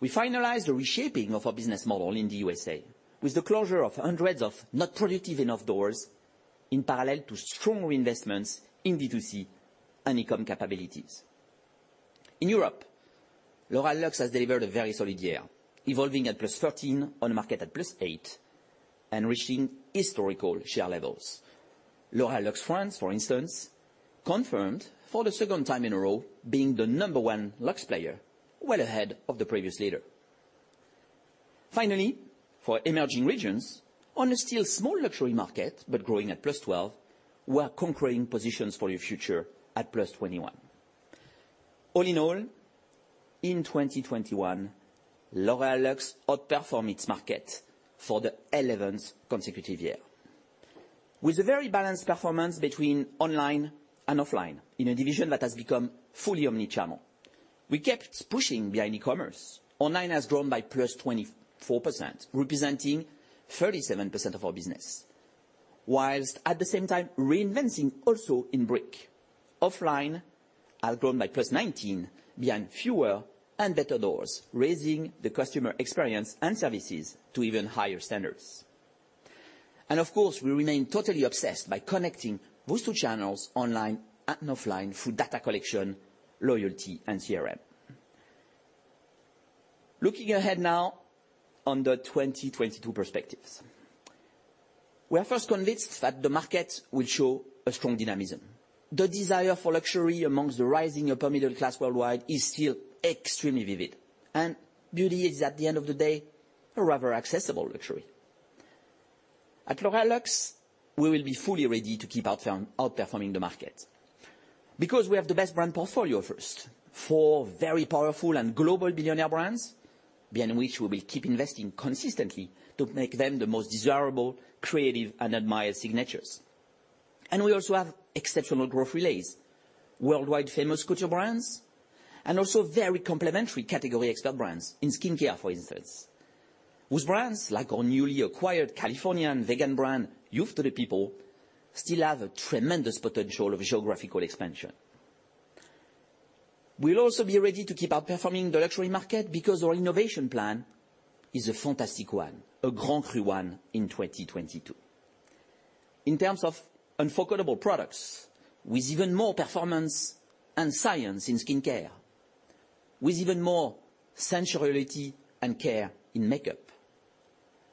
We finalized the reshaping of our business model in the USA with the closure of hundreds of not productive enough doors in parallel to strong investments in D2C and e-com capabilities. In Europe, L'Oréal Luxe has delivered a very solid year, evolving at +13% on a market at +8% and reaching historical share levels. L'Oréal Luxe France, for instance, confirmed for the second time in a row being the number one Luxe player, well ahead of the previous leader. Finally, for emerging regions on a still small luxury market but growing at +12%, we are conquering positions for the future at +21%. All in all, in 2021, L'Oréal Luxe outperformed its market for the 11th consecutive year. With a very balanced performance between online and offline in a division that has become fully omni-channel, we kept pushing behind e-commerce. Online has grown by +24%, representing 37% of our business, while at the same time reinventing also in bricks. Offline has grown by +19% behind fewer and better doors, raising the customer experience and services to even higher standards. Of course, we remain totally obsessed by connecting those two channels online and offline through data collection, loyalty, and CRM. Looking ahead now on the 2022 perspectives. We are first convinced that the market will show a strong dynamism. The desire for luxury amongst the rising upper middle class worldwide is still extremely vivid, and beauty is, at the end of the day, a rather accessible luxury. At L'Oréal Luxe, we will be fully ready to keep outperforming the market because we have the best brand portfolio first, four very powerful and global billionaire brands behind which we will keep investing consistently to make them the most desirable, creative, and admired signatures. We also have exceptional growth relays, worldwide famous couture brands and also very complementary category expert brands in skincare, for instance, such as our newly acquired Californian vegan brand, Youth to the People, still have a tremendous potential of geographical expansion. We'll also be ready to keep outperforming the luxury market because our innovation plan is a fantastic one, a great one in 2022. In terms of unforgettable products with even more performance and science in skincare, with even more sensuality and care in makeup,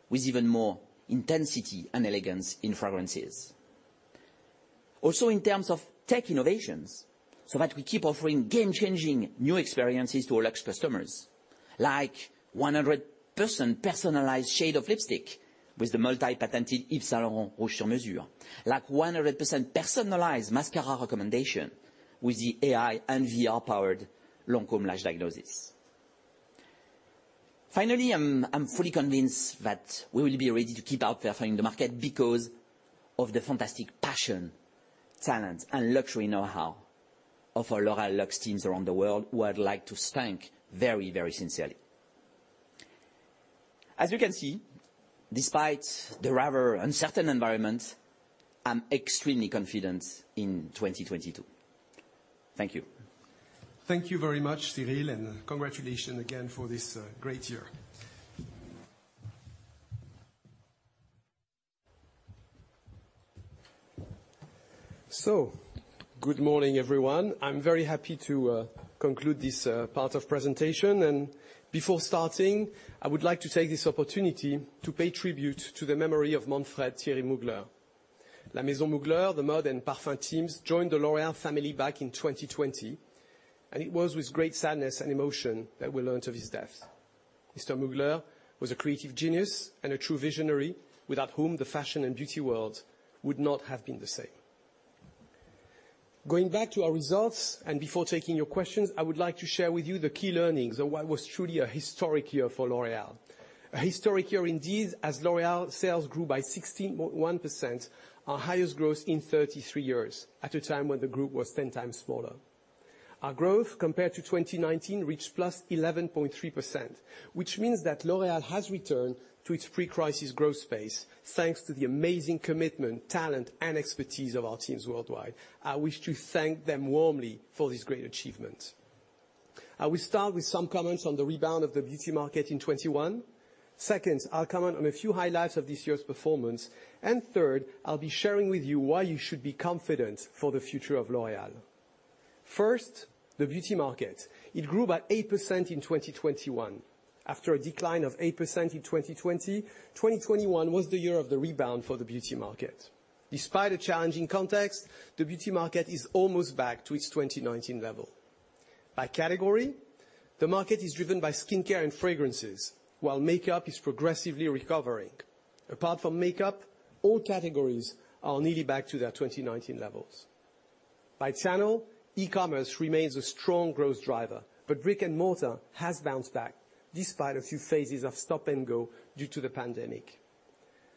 with even more intensity and elegance in fragrances. In terms of tech innovations, so that we keep offering game-changing new experiences to our Luxe customers, like 100% personalized shade of lipstick with the multi-patented YSL Rouge Sur Mesure, like 100% personalized mascara recommendation with the AI and VR-powered Lancôme Lash Anatomy. Finally, I'm fully convinced that we will be ready to keep outperforming the market because of the fantastic passion, talent, and luxury know-how of our L'Oréal Luxe teams around the world, who I'd like to thank very, very sincerely. As you can see, despite the rather uncertain environment, I'm extremely confident in 2022. Thank you. Thank you very much, Cyril, and congratulations again for this great year. Good morning, everyone. I'm very happy to conclude this part of presentation. Before starting, I would like to take this opportunity to pay tribute to the memory of Manfred Thierry Mugler. La Maison Mugler, the mode and parfum teams, joined the L'Oréal family back in 2020, and it was with great sadness and emotion that we learned of his death. Mr. Mugler was a creative genius and a true visionary, without whom the fashion and beauty world would not have been the same. Going back to our results and before taking your questions, I would like to share with you the key learnings of what was truly a historic year for L'Oréal. A historic year indeed, as L'Oréal sales grew by 61%, our highest growth in 33 years at a time when the group was 10x smaller. Our growth compared to 2019 reached +11.3%, which means that L'Oréal has returned to its pre-crisis growth space, thanks to the amazing commitment, talent, and expertise of our teams worldwide. I wish to thank them warmly for this great achievement. I will start with some comments on the rebound of the beauty market in 2021. Second, I'll comment on a few highlights of this year's performance. Third, I'll be sharing with you why you should be confident for the future of L'Oréal. First, the beauty market. It grew by 8% in 2021. After a decline of 8% in 2020, 2021 was the year of the rebound for the beauty market. Despite a challenging context, the beauty market is almost back to its 2019 level. By category, the market is driven by skincare and fragrances, while makeup is progressively recovering. Apart from makeup, all categories are nearly back to their 2019 levels. By channel, e-commerce remains a strong growth driver, but brick-and-mortar has bounced back despite a few phases of stop-and-go due to the pandemic.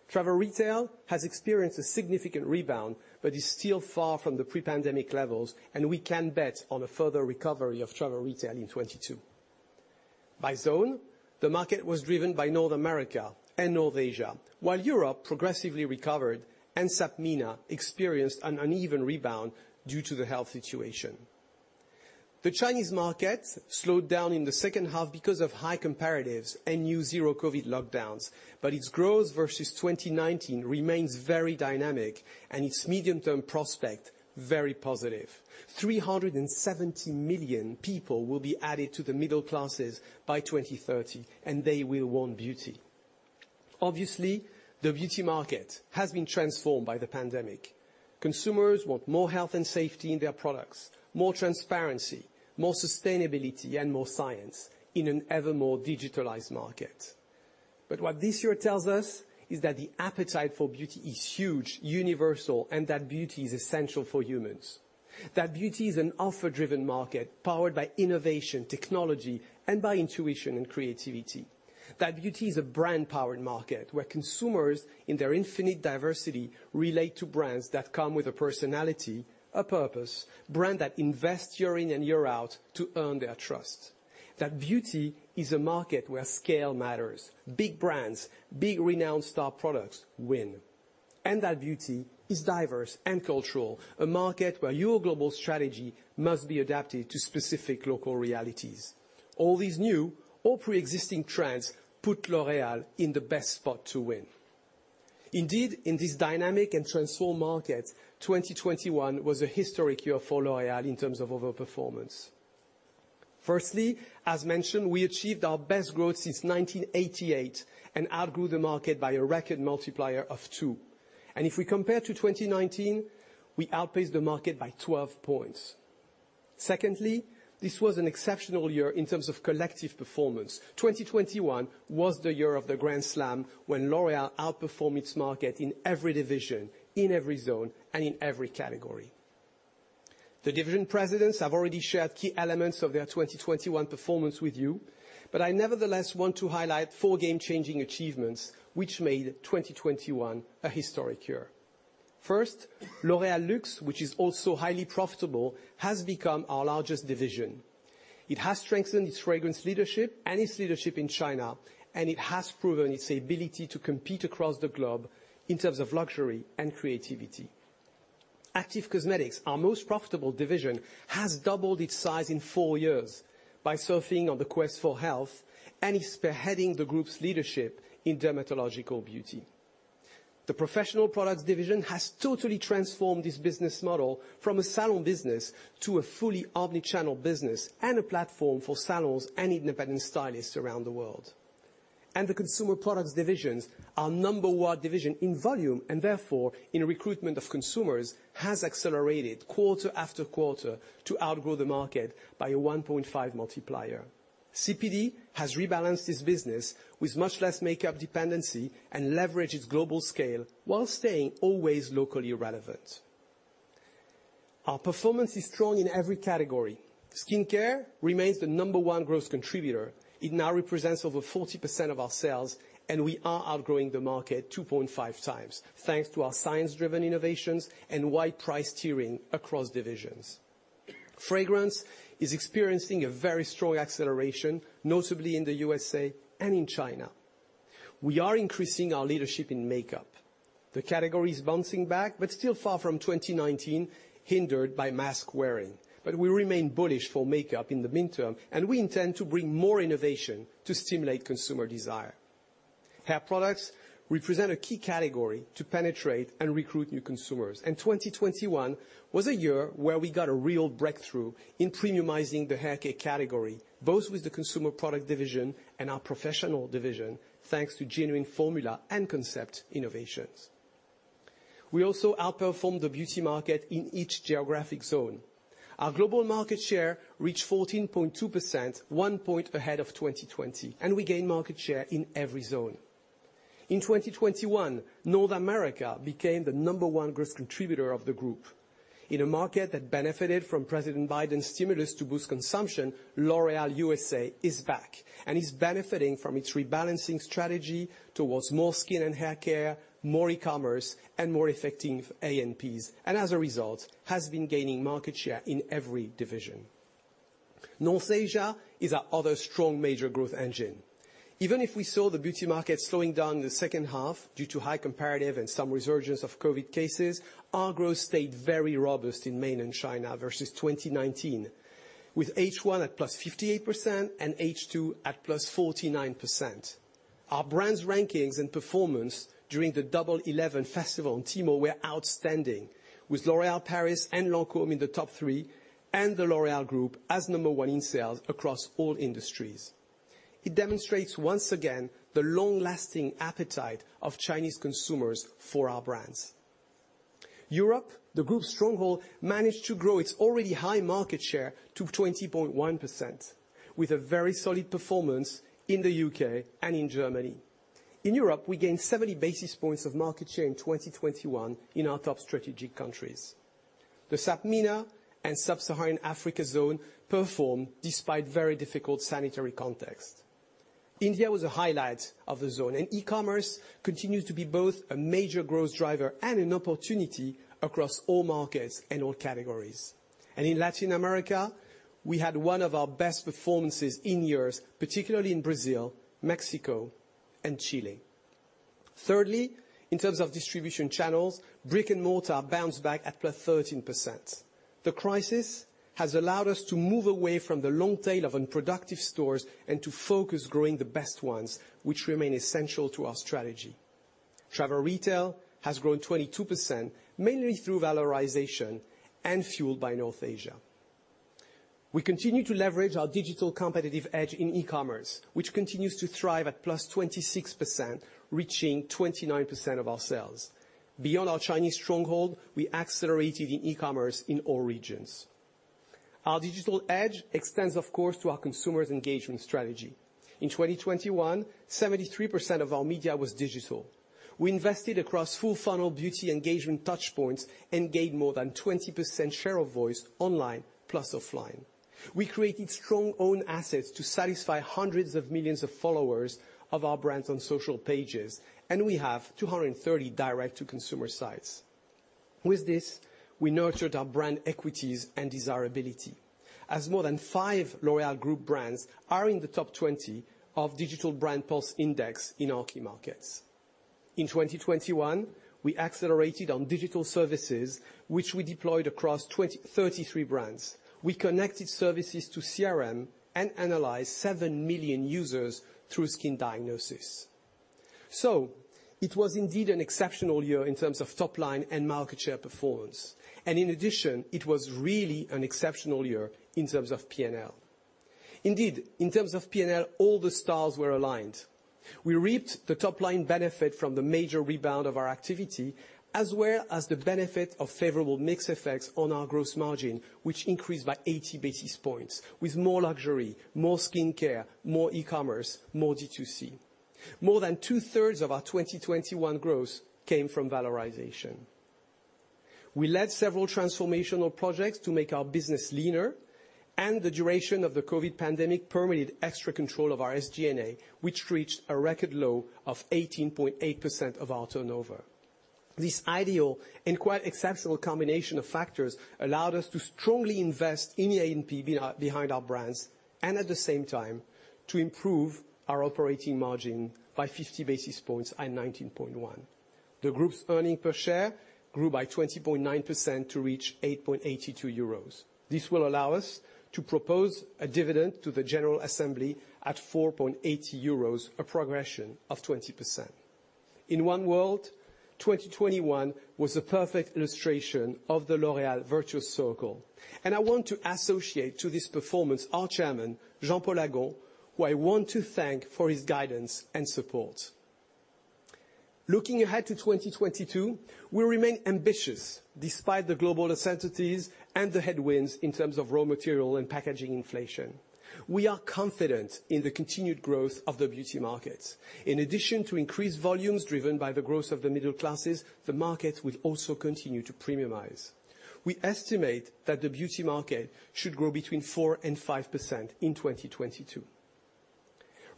Travel retail has experienced a significant rebound but is still far from the pre-pandemic levels, and we can bet on a further recovery of travel retail in 2022. By zone, the market was driven by North America and North Asia, while Europe progressively recovered and SAPMENA experienced an uneven rebound due to the health situation. The Chinese market slowed down in the second half because of high comparatives and new zero COVID lockdowns, but its growth versus 2019 remains very dynamic and its medium-term prospect very positive. 370 million people will be added to the middle classes by 2030, and they will want beauty. Obviously, the beauty market has been transformed by the pandemic. Consumers want more health and safety in their products, more transparency, more sustainability, and more science in an ever more digitalized market. But what this year tells us is that the appetite for beauty is huge, universal, and that beauty is essential for humans. That beauty is an offer-driven market powered by innovation, technology, and by intuition and creativity. That beauty is a brand-powered market where consumers, in their infinite diversity, relate to brands that come with a personality, a purpose, brand that invest year in and year out to earn their trust. That beauty is a market where scale matters, big brands, big renowned star products win. That beauty is diverse and cultural, a market where your global strategy must be adapted to specific local realities. All these new or preexisting trends put L'Oréal in the best spot to win. Indeed, in this dynamic and transformed market, 2021 was a historic year for L'Oréal in terms of overperformance. Firstly, as mentioned, we achieved our best growth since 1988 and outgrew the market by a record multiplier of two. If we compare to 2019, we outpaced the market by 12 points. Secondly, this was an exceptional year in terms of collective performance. 2021 was the year of the Grand Slam when L'Oréal outperformed its market in every division, in every zone, and in every category. The division presidents have already shared key elements of their 2021 performance with you, but I nevertheless want to highlight four game-changing achievements which made 2021 a historic year. First, L'Oréal Luxe, which is also highly profitable, has become our largest division. It has strengthened its fragrance leadership and its leadership in China, and it has proven its ability to compete across the globe in terms of luxury and creativity. Active Cosmetics, our most profitable division, has doubled its size in four years by surfing on the quest for health and is spearheading the group's leadership in dermatological beauty. The Professional Products Division has totally transformed this business model from a salon business to a fully omni-channel business and a platform for salons and independent stylists around the world. The Consumer Products Division, our number one division in volume and therefore in recruitment of consumers, has accelerated quarter-after-quarter to outgrow the market by a 1.5 multiplier. CPD has rebalanced its business with much less makeup dependency and leveraged its global scale while staying always locally relevant. Our performance is strong in every category. Skincare remains the number one growth contributor. It now represents over 40% of our sales, and we are outgrowing the market 2.5x, thanks to our science-driven innovations and wide price tiering across divisions. Fragrance is experiencing a very strong acceleration, notably in the U.S. and in China. We are increasing our leadership in makeup. The category is bouncing back, but still far from 2019, hindered by mask wearing. We remain bullish for makeup in the midterm, and we intend to bring more innovation to stimulate consumer desire. Hair products represent a key category to penetrate and recruit new consumers. 2021 was a year where we got a real breakthrough in premiumizing the haircare category, both with the Consumer Products Division and our Professional Products Division, thanks to genuine formula and concept innovations. We also outperformed the beauty market in each geographic zone. Our global market share reached 14.2%, one point ahead of 2020, and we gained market share in every zone. In 2021, North America became the number one growth contributor of the group. In a market that benefited from President Biden's stimulus to boost consumption, L'Oréal USA is back and is benefiting from its rebalancing strategy towards more skin and haircare, more e-commerce, and more effective A&Ps, and as a result, has been gaining market share in every division. North Asia is our other strong major growth engine. Even if we saw the beauty market slowing down in the second half due to high comparative and some resurgence of COVID cases, our growth stayed very robust in Mainland China versus 2019, with H1 at +58% and H2 at +49%. Our brands' rankings and performance during the Double Eleven festival in Tmall were outstanding, with L'Oréal Paris and Lancôme in the top three, and the L'Oréal Group as number one in sales across all industries. It demonstrates once again the long-lasting appetite of Chinese consumers for our brands. Europe, the group's stronghold, managed to grow its already high market share to 20.1%, with a very solid performance in the U.K. and in Germany. In Europe, we gained 70 basis points of market share in 2021 in our top strategic countries. The SAPMENA and Sub-Saharan Africa zone performed despite very difficult sanitary context. India was a highlight of the zone, and e-commerce continues to be both a major growth driver and an opportunity across all markets and all categories. In Latin America, we had one of our best performances in years, particularly in Brazil, Mexico, and Chile. Thirdly, in terms of distribution channels, brick and mortar bounced back at +13%. The crisis has allowed us to move away from the long tail of unproductive stores and to focus growing the best ones, which remain essential to our strategy. Travel retail has grown 22%, mainly through valorization and fueled by North Asia. We continue to leverage our digital competitive edge in e-commerce, which continues to thrive at +26%, reaching 29% of our sales. Beyond our Chinese stronghold, we accelerated in e-commerce in all regions. Our digital edge extends, of course, to our consumers' engagement strategy. In 2021, 73% of our media was digital. We invested across full-funnel beauty engagement touchpoints and gained more than 20% share of voice online plus offline. We created strong own assets to satisfy hundreds of millions of followers of our brands on social pages, and we have 230 direct-to-consumer sites. With this, we nurtured our brand equities and desirability, as more than five L'Oréal Group brands are in the top 20 of Digital Brand Pulse index in our key markets. In 2021, we accelerated on digital services, which we deployed across 33 brands. We connected services to CRM and analyzed 7 million users through skin diagnosis. It was indeed an exceptional year in terms of top line and market share performance, and in addition, it was really an exceptional year in terms of P&L. Indeed, in terms of P&L, all the stars were aligned. We reaped the top-line benefit from the major rebound of our activity, as well as the benefit of favorable mix effects on our gross margin, which increased by 80 basis points, with more luxury, more skincare, more e-commerce, more D2C. More than 2/3 of our 2021 growth came from valorization. We led several transformational projects to make our business leaner, and the duration of the COVID pandemic permitted extra control of our SG&A, which reached a record low of 18.8% of our turnover. This ideal and quite exceptional combination of factors allowed us to strongly invest in the A&P behind our brands and, at the same time, to improve our operating margin by 50 basis points and 19.1. The group's earnings per share grew by 20.9% to reach 8.82 euros. This will allow us to propose a dividend to the general assembly at 4.8 euros, a progression of 20%. In one word, 2021 was the perfect illustration of the L'Oréal virtuous circle, and I want to associate to this performance our chairman, Jean-Paul Agon, who I want to thank for his guidance and support. Looking ahead to 2022, we remain ambitious despite the global uncertainties and the headwinds in terms of raw material and packaging inflation. We are confident in the continued growth of the beauty markets. In addition to increased volumes driven by the growth of the middle classes, the markets will also continue to premiumize. We estimate that the beauty market should grow between 4% and 5% in 2022.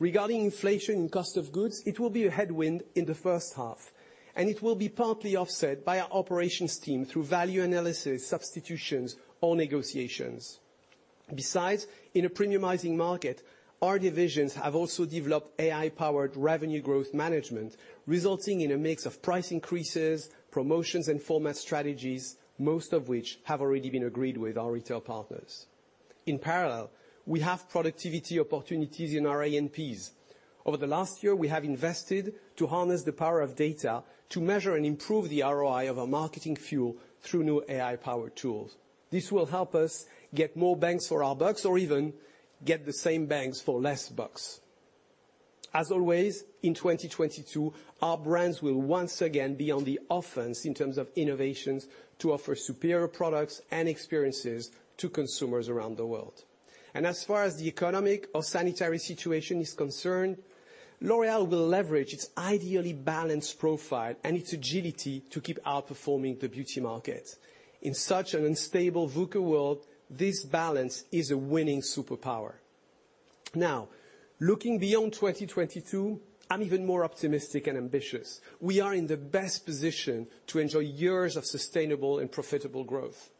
Regarding inflation in cost of goods, it will be a headwind in the first half, and it will be partly offset by our operations team through value analysis, substitutions, or negotiations. Besides, in a premiumizing market, our divisions have also developed AI-powered revenue growth management, resulting in a mix of price increases, promotions, and format strategies, most of which have already been agreed with our retail partners. In parallel, we have productivity opportunities in our A&Ps. Over the last year, we have invested to harness the power of data to measure and improve the ROI of our marketing fuel through new AI-powered tools. This will help us get more bangs for our bucks or even get the same bangs for less bucks. As always, in 2022, our brands will once again be on the offense in terms of innovations to offer superior products and experiences to consumers around the world. As far as the economic or sanitary situation is concerned, L'Oréal will leverage its ideally balanced profile and its agility to keep outperforming the beauty market. In such an unstable VUCA world, this balance is a winning superpower. Now, looking beyond 2022, I'm even more optimistic and ambitious. We are in the best position to enjoy years of sustainable and profitable growth.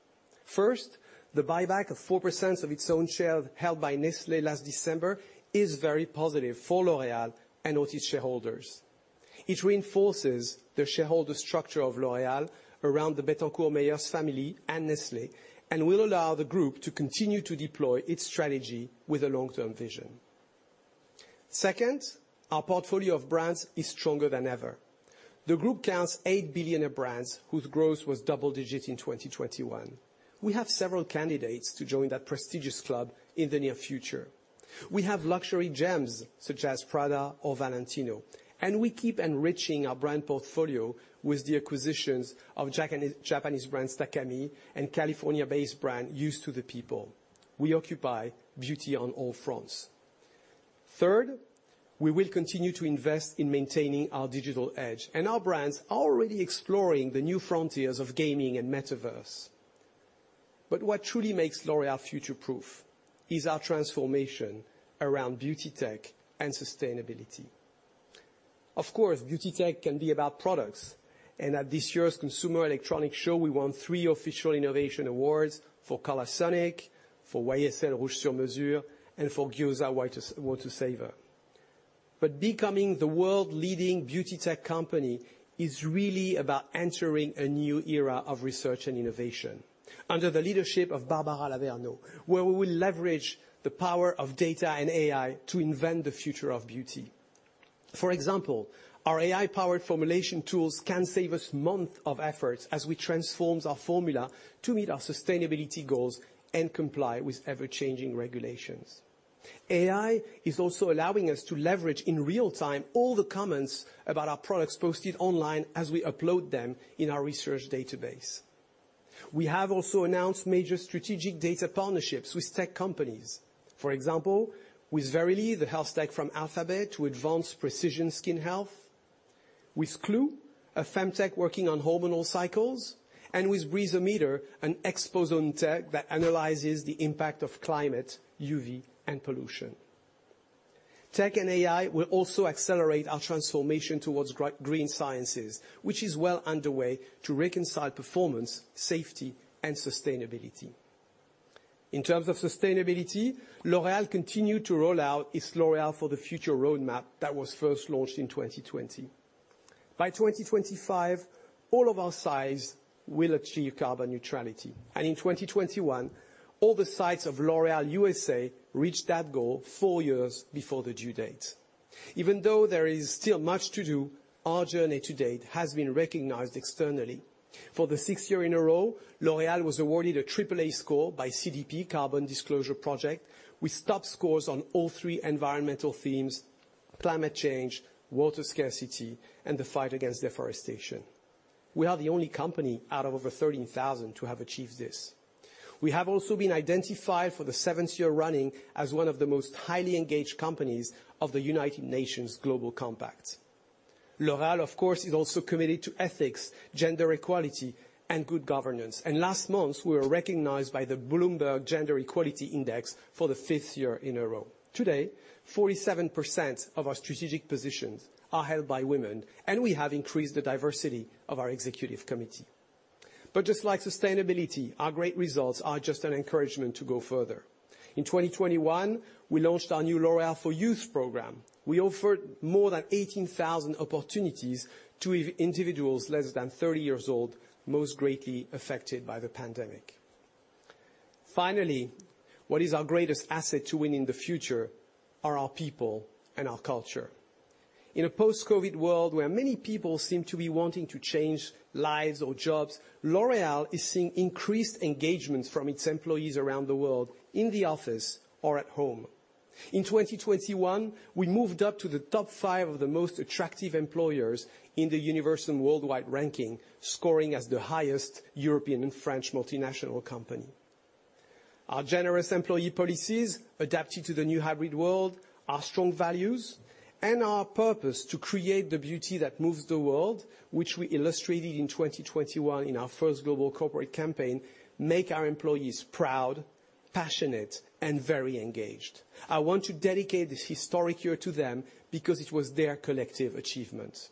First, the buyback of 4% of its own shares held by Nestlé last December is very positive for L'Oréal and all its shareholders. It reinforces the shareholder structure of L'Oréal around the Bettencourt Meyers family and Nestlé, and will allow the group to continue to deploy its strategy with a long-term vision. Second, our portfolio of brands is stronger than ever. The group counts eight billionaire brands whose growth was double-digit in 2021. We have several candidates to join that prestigious club in the near future. We have luxury gems such as Prada or Valentino, and we keep enriching our brand portfolio with the acquisitions of Japanese brand Takami and California-based brand Youth to the People. We occupy beauty on all fronts. Third, we will continue to invest in maintaining our digital edge, and our brands are already exploring the new frontiers of gaming and metaverse. What truly makes L'Oréal future-proof is our transformation around beauty tech and sustainability. Of course, beauty tech can be about products, and at this year's Consumer Electronics Show, we won three official innovation awards for Colorsonic, for YSL Rouge Sur Mesure, and for L'Oréal Water Saver. Becoming the world-leading beauty tech company is really about entering a new era of research and innovation under the leadership of Barbara Lavernos, where we will leverage the power of data and AI to invent the future of beauty. For example, our AI-powered formulation tools can save us months of efforts as we transform our formula to meet our sustainability goals and comply with ever-changing regulations. AI is also allowing us to leverage in real-time all the comments about our products posted online as we upload them in our research database. We have also announced major strategic data partnerships with tech companies. For example, with Verily, the health tech from Alphabet to advance precision skin health, with Clue, a femtech working on hormonal cycles, and with BreezoMeter, an exposome tech that analyzes the impact of climate, UV and pollution. Tech and AI will also accelerate our transformation towards green sciences, which is well underway to reconcile performance, safety and sustainability. In terms of sustainability, L'Oréal continued to roll out its L'Oréal for the Future roadmap that was first launched in 2020. By 2025, all of our sites will achieve carbon neutrality, and in 2021, all the sites of L'Oréal USA reached that goal four years before the due date. Even though there is still much to do, our journey to-date has been recognized externally. For the sixth year in a row, L'Oréal was awarded a Triple A score by CDP, Carbon Disclosure Project, with top scores on all three environmental themes, climate change, water scarcity, and the fight against deforestation. We are the only company out of over 13,000 to have achieved this. We have also been identified for the seventh year running as one of the most highly engaged companies of the United Nations Global Compact. L'Oréal, of course, is also committed to ethics, gender equality and good governance, and last month, we were recognized by the Bloomberg Gender-Equality Index for the fitth year in a row. Today, 47% of our strategic positions are held by women, and we have increased the diversity of our executive committee. Just like sustainability, our great results are just an encouragement to go further. In 2021, we launched our new L'Oréal For Youth program. We offered more than 18,000 opportunities to individuals less than 30 years old, most greatly affected by the pandemic. Finally, what is our greatest asset to winning the future are our people and our culture. In a post-COVID world where many people seem to be wanting to change lives or jobs, L'Oréal is seeing increased engagement from its employees around the world in the office or at home. In 2021, we moved up to the top five of the most attractive employers in the Universum Worldwide Ranking, scoring as the highest European and French multinational company. Our generous employee policies adapted to the new hybrid world, our strong values and our purpose to create the beauty that moves the world, which we illustrated in 2021 in our first global corporate campaign, make our employees proud, passionate and very engaged. I want to dedicate this historic year to them because it was their collective achievement.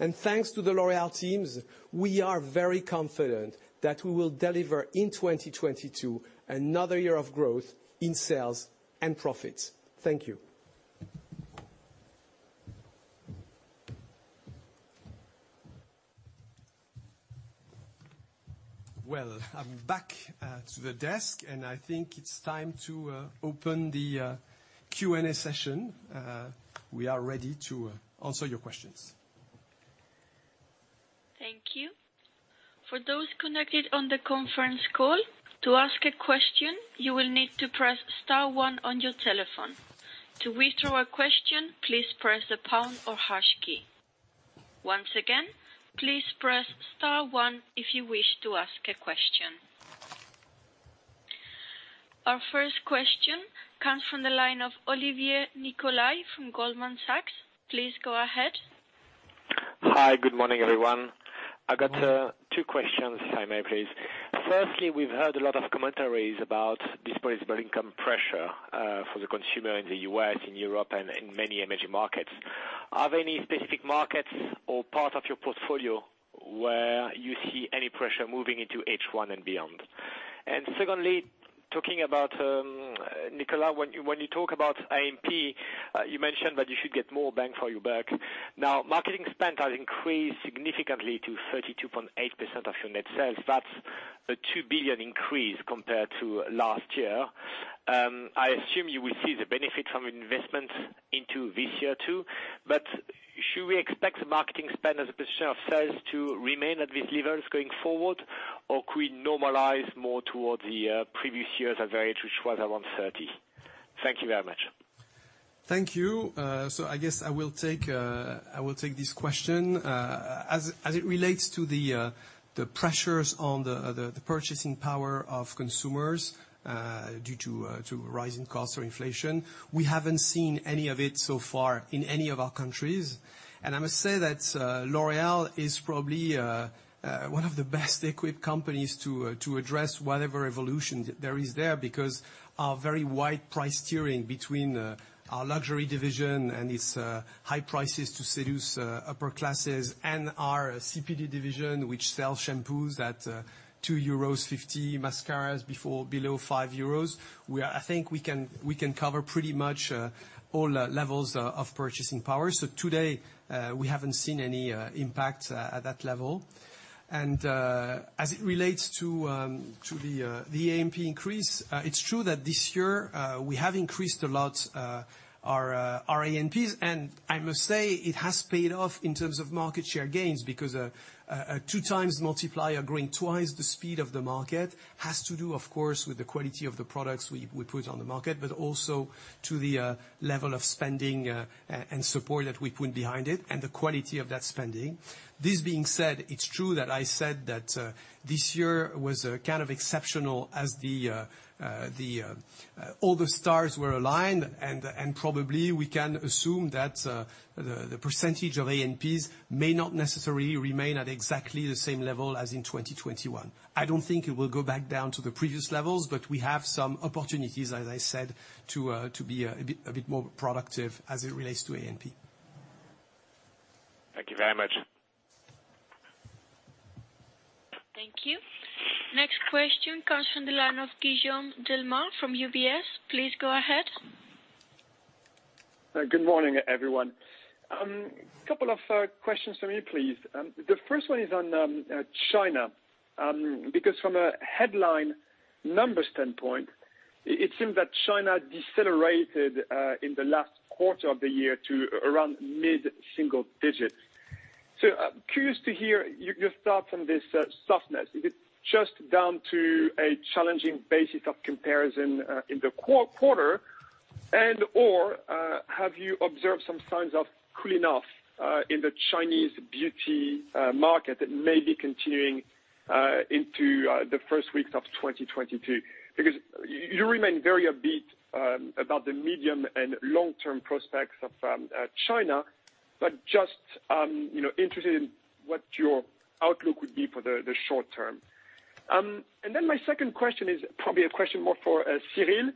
Thanks to the L'Oréal teams, we are very confident that we will deliver in 2022 another year of growth in sales and profits. Thank you. Well, I'm back to the desk, and I think it's time to open the Q&A session. We are ready to answer your questions. Thank you. For those connected on the conference call, to ask a question, you will need to press star one on your telephone. To withdraw a question, please press the pound or hash key. Once again, please press star one if you wish to ask a question. Our first question comes from the line of Jean-Olivier Nicolaï from Goldman Sachs. Please go ahead. Hi. Good morning, everyone. I've got two questions, if I may, please. Firstly, we've heard a lot of commentaries about disposable income pressure for the consumer in the U.S., in Europe and in many emerging markets. Are there any specific markets or part of your portfolio where you see any pressure moving into H1 and beyond? Secondly, talking about Nicolas, when you talk about A&P, you mentioned that you should get more bang for your buck. Now, marketing spend has increased significantly to 32.8% of your net sales. That's a 2 billion increase compared to last year. I assume you will see the benefit from investment into this year, too. Should we expect the marketing spend as a percentage of sales to remain at these levels going forward or could we normalize more toward the previous years average, which was around 30%. Thank you very much. Thank you. I guess I will take this question. As it relates to the pressures on the purchasing power of consumers due to rising costs or inflation, we haven't seen any of it so far in any of our countries. I must say that L'Oréal is probably one of the best equipped companies to address whatever evolution there is there because our very wide price tiering between our luxury division and its high prices to seduce upper classes and our CPD division, which sells shampoos at 2.50 euros, mascaras for below 5 euros. I think we can cover pretty much all levels of purchasing power. Today we haven't seen any impact at that level. As it relates to the A&P increase, it's true that this year we have increased a lot our A&Ps, and I must say it has paid off in terms of market share gains because a 2x multiplier growing twice the speed of the market has to do, of course, with the quality of the products we put on the market, but also to the level of spending and support that we put behind it and the quality of that spending. This being said, it's true that I said that this year was kind of exceptional as all the stars were aligned, and probably we can assume that the percentage of A&Ps may not necessarily remain at exactly the same level as in 2021. I don't think it will go back down to the previous levels, but we have some opportunities, as I said, to be a bit more productive as it relates to A&P. Thank you very much. Thank you. Next question comes from the line of Guillaume Delmas from UBS. Please go ahead. Good morning, everyone. Couple of questions from me, please. The first one is on China. Because from a headline numbers standpoint, it seems that China decelerated in the last quarter of the year to around mid-single digits. Curious to hear your thoughts on this softness. Is it just down to a challenging basis of comparison in the quarter, and/or have you observed some signs of cooling off in the Chinese beauty market that may be continuing into the first weeks of 2022? Because you remain very upbeat about the medium and long-term prospects of China, but just you know, interested in what your outlook would be for the short term. Then my second question is probably a question more for Cyril.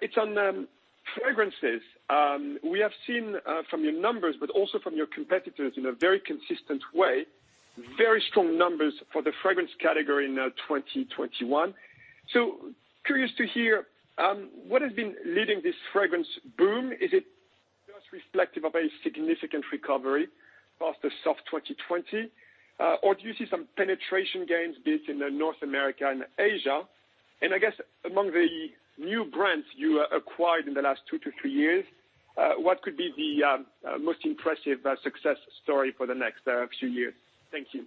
It's on fragrances. We have seen from your numbers, but also from your competitors in a very consistent way, very strong numbers for the fragrance category in 2021. Curious to hear what has been leading this fragrance boom? Is it just reflective of a significant recovery after soft 2020, or do you see some penetration gains built in North America and Asia? I guess among the new brands you acquired in the last two-three years, what could be the most impressive success story for the next few years? Thank you.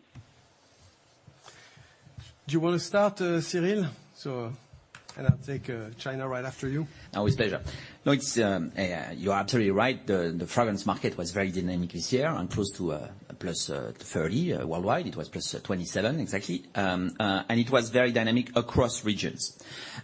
Do you wanna start, Cyril? I'll take China right after you. Oh, with pleasure. No, it's you are absolutely right. The fragrance market was very dynamic this year and close to +30% worldwide. It was +27% exactly and it was very dynamic across regions.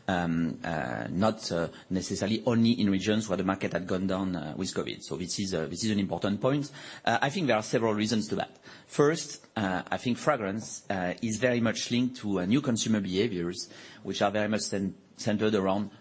Not necessarily only in regions where the market had gone down with COVID. This is an important point. I think there are several reasons to that. First, I think fragrance is very much linked to new consumer behaviors, which are very much centered around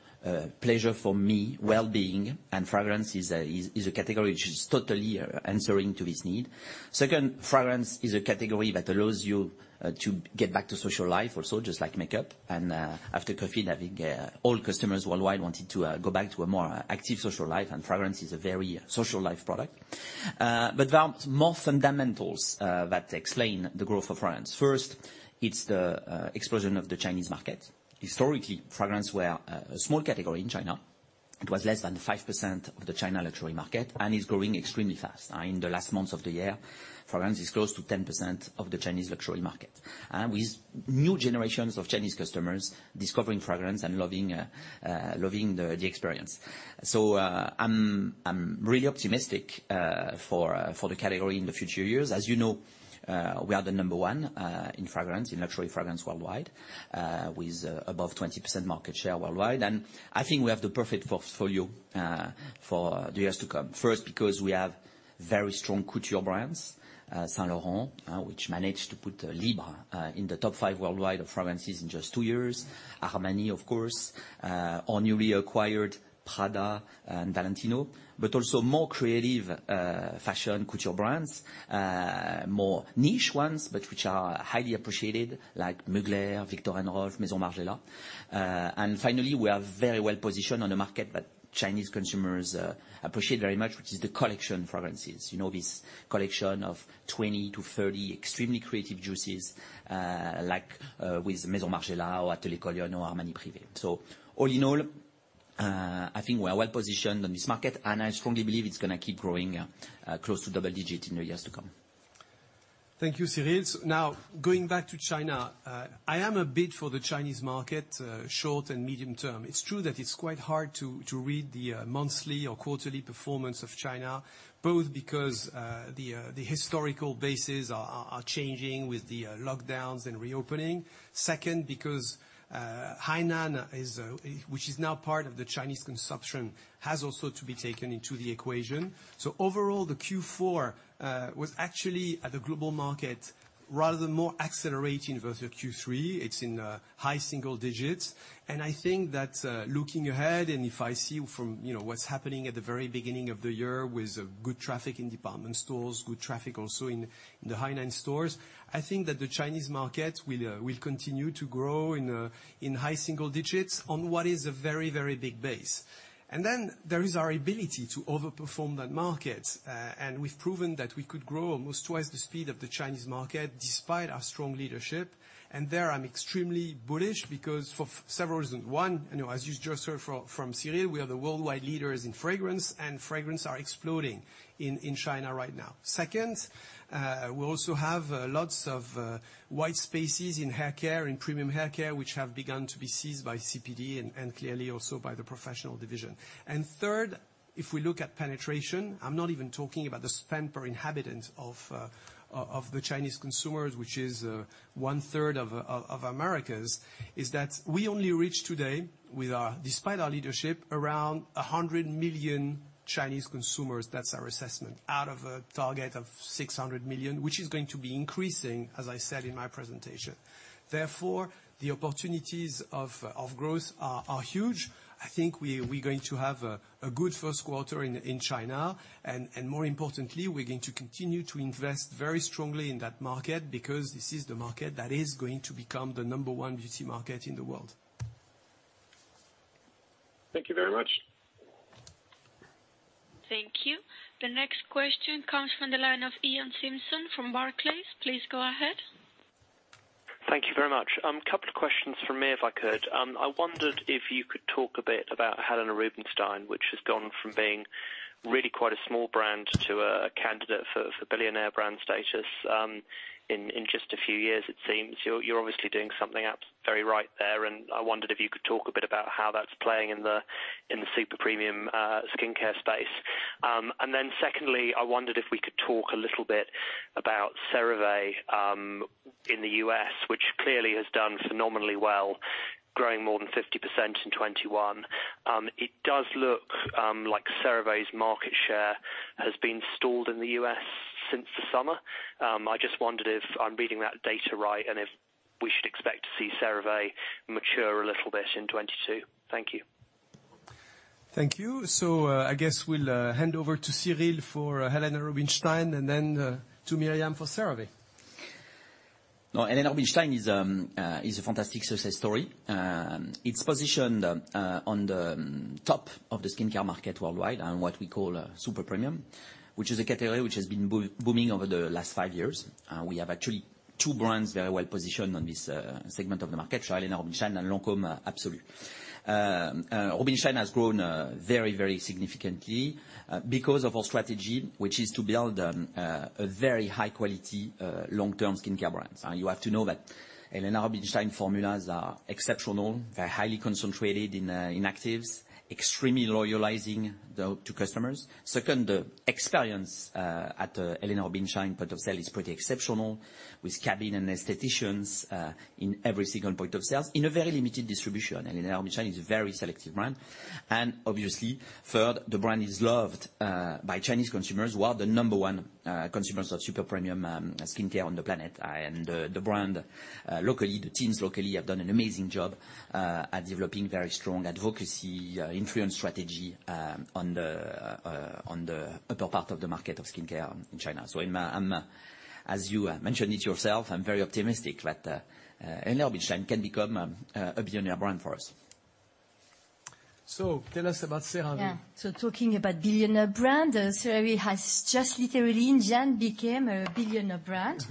pleasure for me, well-being, and fragrance is a category which is totally answering to this need. Second, fragrance is a category that allows you to get back to social life also just like makeup. After COVID, I think all customers worldwide wanted to go back to a more active social life, and fragrance is a very social life product. There are more fundamentals that explain the growth of fragrance. First, it's the explosion of the Chinese market. Historically, fragrance were a small category in China. It was less than 5% of the Chinese luxury market and is growing extremely fast. In the last months of the year, fragrance is close to 10% of the Chinese luxury market, with new generations of Chinese customers discovering fragrance and loving the experience. I'm really optimistic for the category in the future years. As you know, we are the number one in fragrance, in luxury fragrance worldwide with above 20% market share worldwide. I think we have the perfect portfolio for the years to come. First, because we have very strong couture brands, Saint Laurent, which managed to put Libre in the top five worldwide of fragrances in just two years. Armani, of course, our newly acquired Prada and Valentino, but also more creative fashion couture brands, more niche ones, but which are highly appreciated, like Mugler, Viktor & Rolf, Maison Margiela. Finally, we are very well positioned on a market that Chinese consumers appreciate very much, which is the collection fragrances. You know, this collection of 20-30 extremely creative juices, like, with Maison Margiela or Atelier Cologne or Armani Privé. All in all, I think we are well-positioned on this market, and I strongly believe it's gonna keep growing, close to double digit in the years to come. Thank you, Cyril. Now going back to China, I am a bit wary of the Chinese market short and medium term. It's true that it's quite hard to read the monthly or quarterly performance of China, both because the historical bases are changing with the lockdowns and reopening. Second, because Hainan, which is now part of the Chinese consumption, has also to be taken into the equation. Overall, the Q4 was actually accelerating rather more versus Q3. It's in high single digits. I think that, looking ahead, and if I see from, you know, what's happening at the very beginning of the year with good traffic in department stores, good traffic also in the Hainan stores, I think that the Chinese market will continue to grow in high single digits on what is a very, very big base. Then there is our ability to overperform that market. We've proven that we could grow almost twice the speed of the Chinese market despite our strong leadership. There, I'm extremely bullish because for several reasons. One, you know, as you just heard from Cyril, we are the worldwide leaders in fragrance, and fragrance are exploding in China right now. Second, we also have lots of white spaces in hair care and premium hair care, which have begun to be seized by CPD and clearly also by the professional division. Third, if we look at penetration, I'm not even talking about the spend per inhabitants of the Chinese consumers, which is one third of America's, that we only reach today, despite our leadership, around 100 million Chinese consumers. That's our assessment. Out of a target of 600 million, which is going to be increasing, as I said in my presentation. Therefore, the opportunities of growth are huge. I think we're going to have a good first quarter in China. More importantly, we're going to continue to invest very strongly in that market because this is the market that is going to become the number one beauty market in the world. Thank you very much. Thank you. The next question comes from the line of Iain Simpson from Barclays. Please go ahead. Thank you very much. A couple of questions from me, if I could. I wondered if you could talk a bit about Helena Rubinstein, which has gone from being really quite a small brand to a candidate for billionaire brand status in just a few years, it seems. You're obviously doing something very right there, and I wondered if you could talk a bit about how that's playing in the super premium skincare space. Secondly, I wondered if we could talk a little bit about CeraVe in the U.S., which clearly has done phenomenally well, growing more than 50% in 2021. It does look like CeraVe's market share has been stalled in the U.S. since the summer. I just wondered if I'm reading that data right and if we should expect to see CeraVe mature a little bit in 2022. Thank you. Thank you. I guess we'll hand over to Cyril for Helena Rubinstein and then to Myriam for CeraVe. No, Helena Rubinstein is a fantastic success story. It's positioned on the top of the skincare market worldwide on what we call super premium, which is a category which has been booming over the last five years. We have actually two brands very well-positioned on this segment of the market, so Helena Rubinstein and Lancôme Absolue. Rubinstein has grown very significantly because of our strategy, which is to build a very high-quality long-term skincare brands. You have to know that Helena Rubinstein formulas are exceptional. They're highly concentrated in actives, extremely loyalizing to customers. Second, the experience at Helena Rubinstein point of sale is pretty exceptional with cabins and aestheticians in every single point of sale in a very limited distribution. Helena Rubinstein is a very selective brand. Obviously, third, the brand is loved by Chinese consumers who are the number one consumers of super premium skincare on the planet. The brand locally, the teams have done an amazing job at developing very strong advocacy influence strategy on the upper part of the market of skincare in China. I'm as you mentioned yourself, I'm very optimistic that Helena Rubinstein can become a billionaire brand for us. Tell us about CeraVe. Yeah. Talking about billionaire brand, CeraVe has just literally in January became a billionaire brand.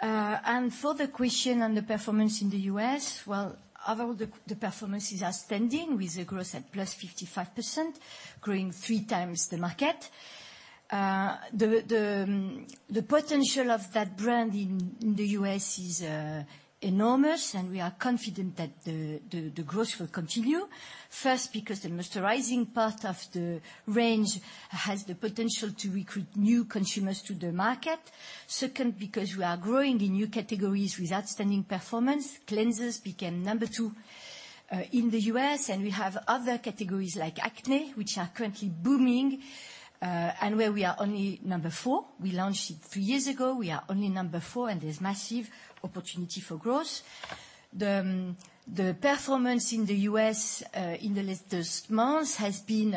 For the question on the performance in the U.S., well, overall, the performances are outstanding with a growth at +55%, growing 3x the market. The potential of that brand in the U.S. is enormous, and we are confident that the growth will continue. First, because the moisturizing part of the range has the potential to recruit new consumers to the market. Second, because we are growing in new categories with outstanding performance. Cleansers became number two in the U.S., and we have other categories like acne, which are currently booming, and where we are only number four. We launched it three years ago. We are only number four, and there's massive opportunity for growth. The performance in the U.S. in the latest months has been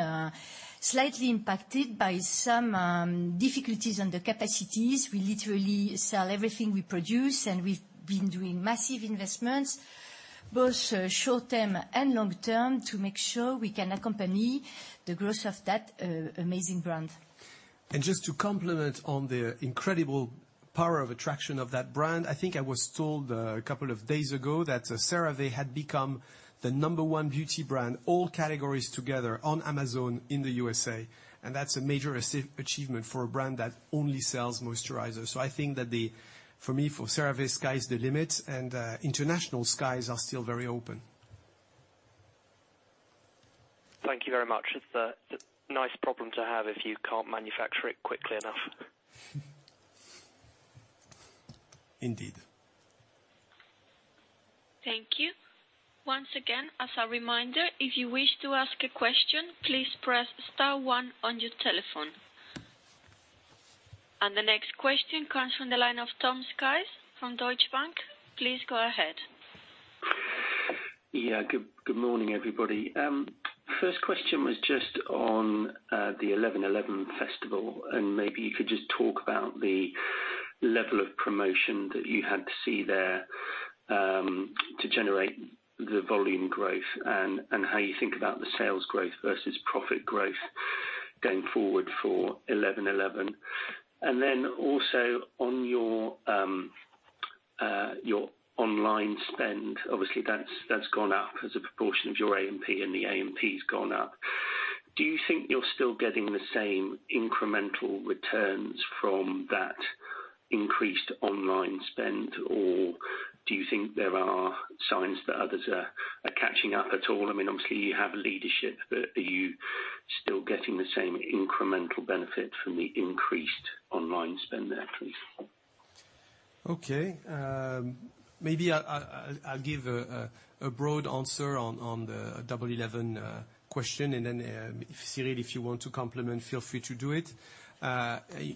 slightly impacted by some difficulties on the capacities. We literally sell everything we produce, and we've been doing massive investments, both short-term and long-term, to make sure we can accompany the growth of that amazing brand. Just to compliment on the incredible power of attraction of that brand, I think I was told a couple of days ago that CeraVe had become the number one beauty brand, all categories together on Amazon in the USA, and that's a major achievement for a brand that only sells moisturizers. I think that for me, for CeraVe, sky's the limit, and international skies are still very open. Thank you very much. It's a nice problem to have if you can't manufacture it quickly enough. Indeed. Thank you. Once again, as a reminder, if you wish to ask a question, please press star one on your telephone. The next question comes from the line of Tom Sykes from Deutsche Bank. Please go ahead. Good morning, everybody. First question was just on the Double Eleven festival, and maybe you could just talk about the level of promotion that you had to see there to generate the volume growth and how you think about the sales growth versus profit growth going forward for Double Eleven. Also on your online spend, obviously that's gone up as a proportion of your A&P, and the A&P's gone up. Do you think you're still getting the same incremental returns from that increased online spend, or do you think there are signs that others are catching up at all? I mean, obviously you have leadership, but are you still getting the same incremental benefit from the increased online spend there, Christophe? Okay. Maybe I'll give a broad answer on the Double Eleven question, and then, Cyril, if you want to complement, feel free to do it.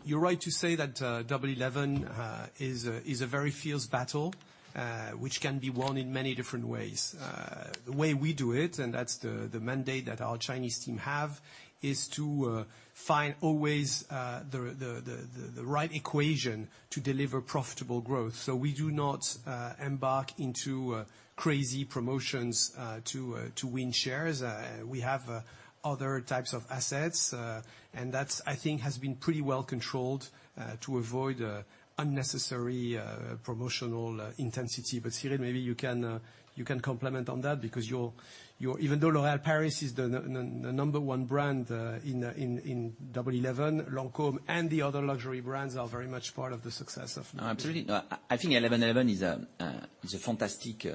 You're right to say that Double Eleven is a very fierce battle which can be won in many different ways. The way we do it, and that's the mandate that our Chinese team have, is to always find the right equation to deliver profitable growth. We do not embark into crazy promotions to win shares. We have other types of assets, and that, I think, has been pretty well controlled to avoid unnecessary promotional intensity. Cyril, maybe you can comment on that because your even though L'Oréal Paris is the number one brand in Double Eleven, Lancôme and the other luxury brands are very much part of the success of- Absolutely. I think Double Eleven is a fantastic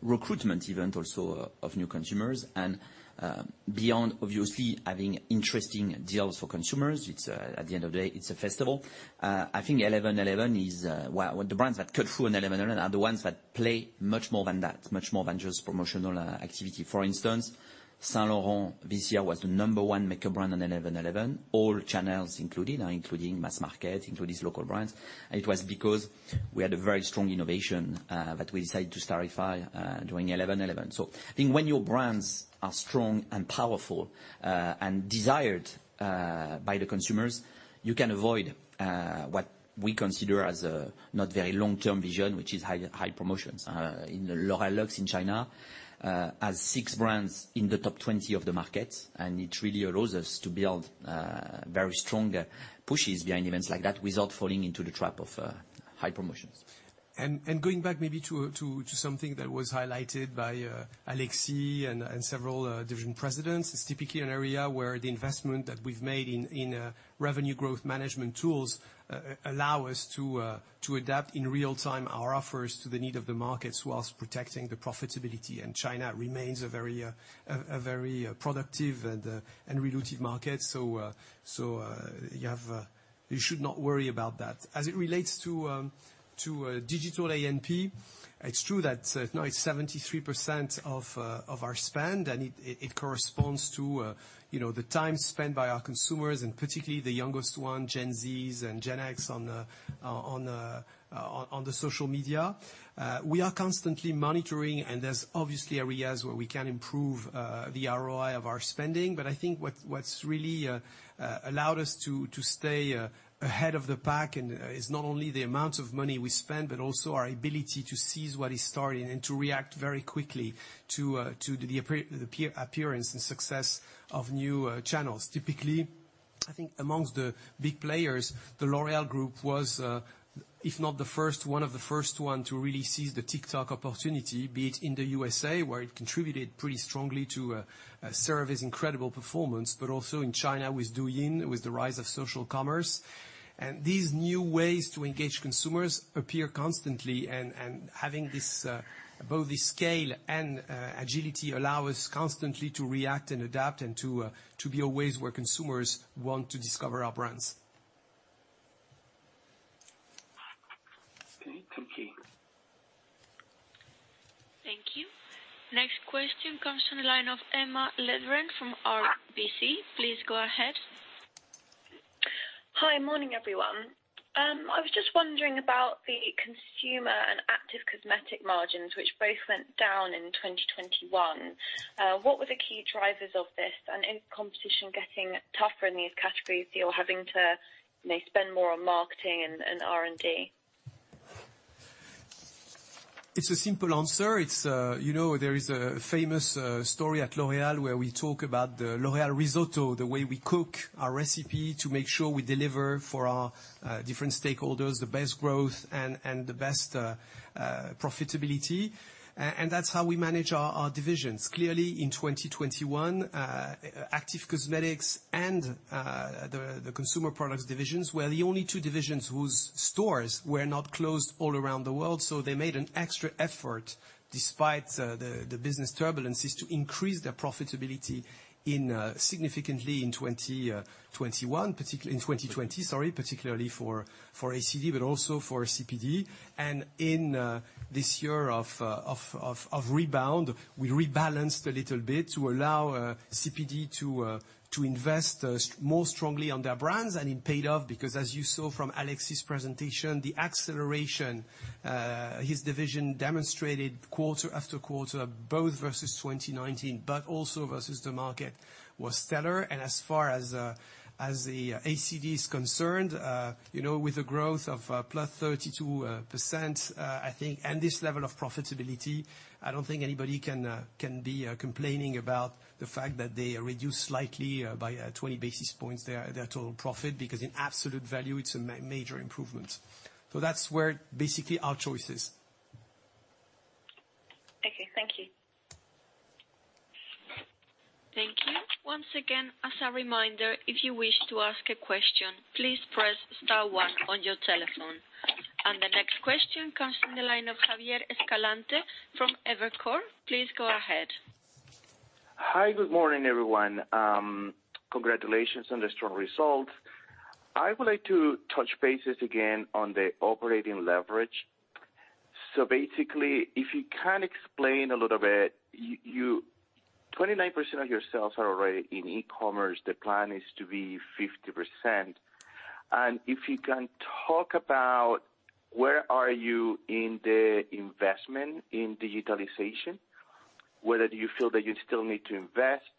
recruitment event also of new consumers, and beyond obviously having interesting deals for consumers, it's at the end of the day, it's a festival. Well, the brands that cut through on Double Eleven are the ones that play much more than that, much more than just promotional activity. For instance, Saint Laurent this year was the number one makeup brand on Double Eleven, all channels included, including mass market, including these local brands. It was because we had a very strong innovation that we decided to launch during Double Eleven. I think when your brands are strong and powerful, and desired by the consumers, you can avoid what we consider as a not very long-term vision, which is high promotions. In L'Oréal Luxe in China has six brands in the top 20 of the market, and it really allows us to build very strong pushes behind events like that without falling into the trap of high promotions. Going back maybe to something that was highlighted by Alexis and several division presidents, it's typically an area where the investment that we've made in revenue growth management tools allow us to adapt in real-time our offers to the needs of the markets while protecting the profitability. China remains a very productive and relevant market. You should not worry about that. As it relates to digital A&P, it's true that now it's 73% of our spend, and it corresponds to, you know, the time spent by our consumers, and particularly the youngest one, Gen Z and Gen X on social media. We are constantly monitoring, and there's obviously areas where we can improve the ROI of our spending. I think what's really allowed us to stay ahead of the pack and is not only the amount of money we spend but also our ability to seize what is starting and to react very quickly to the appearance and success of new channels. Typically, I think amongst the big players, the L'Oréal Group was, if not the first, one of the first to really seize the TikTok opportunity, be it in the USA, where it contributed pretty strongly to drive its incredible performance, but also in China with Douyin, with the rise of social commerce. These new ways to engage consumers appear constantly, and having this both the scale and agility allow us constantly to react and adapt and to be always where consumers want to discover our brands. Okay. Complete. Thank you. Next question comes from the line of Eva Quiroga-Thiele from RBC. Please go ahead. Hi. Morning, everyone. I was just wondering about the Consumer Products and Active Cosmetics margins, which both went down in 2021. What were the key drivers of this? Is competition getting tougher in these categories that you're having to, you know, spend more on marketing and R&D? It's a simple answer. It's you know, there is a famous story at L'Oréal where we talk about the L'Oréal risotto, the way we cook our recipe to make sure we deliver for our different stakeholders, the best growth and the best profitability. That's how we manage our divisions. Clearly, in 2021, Active Cosmetics and the Consumer Products divisions were the only two divisions whose stores were not closed all around the world. They made an extra effort, despite the business turbulences, to increase their profitability significantly in 2021, particularly for ACD, but also for CPD. In this year of rebound, we rebalanced a little bit to allow CPD to invest more strongly on their brands, and it paid off because as you saw from Alexis's presentation, the acceleration his division demonstrated quarter-after-quarter, both versus 2019 but also versus the market, was stellar. As far as the ACD's concerned, you know, with a growth of +32%, I think, and this level of profitability, I don't think anybody can be complaining about the fact that they reduced slightly by 20 basis points their total profit because in absolute value it's a major improvement. That's where basically our choice is. Okay, thank you. Thank you. Once again, as a reminder, if you wish to ask a question, please press star one on your telephone. The next question comes from the line of Javier Escalante from Evercore. Please go ahead. Hi, good morning, everyone. Congratulations on the strong results. I would like to touch bases again on the operating leverage. Basically, if you can explain a little bit, 29% of your sales are already in e-commerce. The plan is to be 50%. If you can talk about where are you in the investment in digitalization, whether you feel that you still need to invest,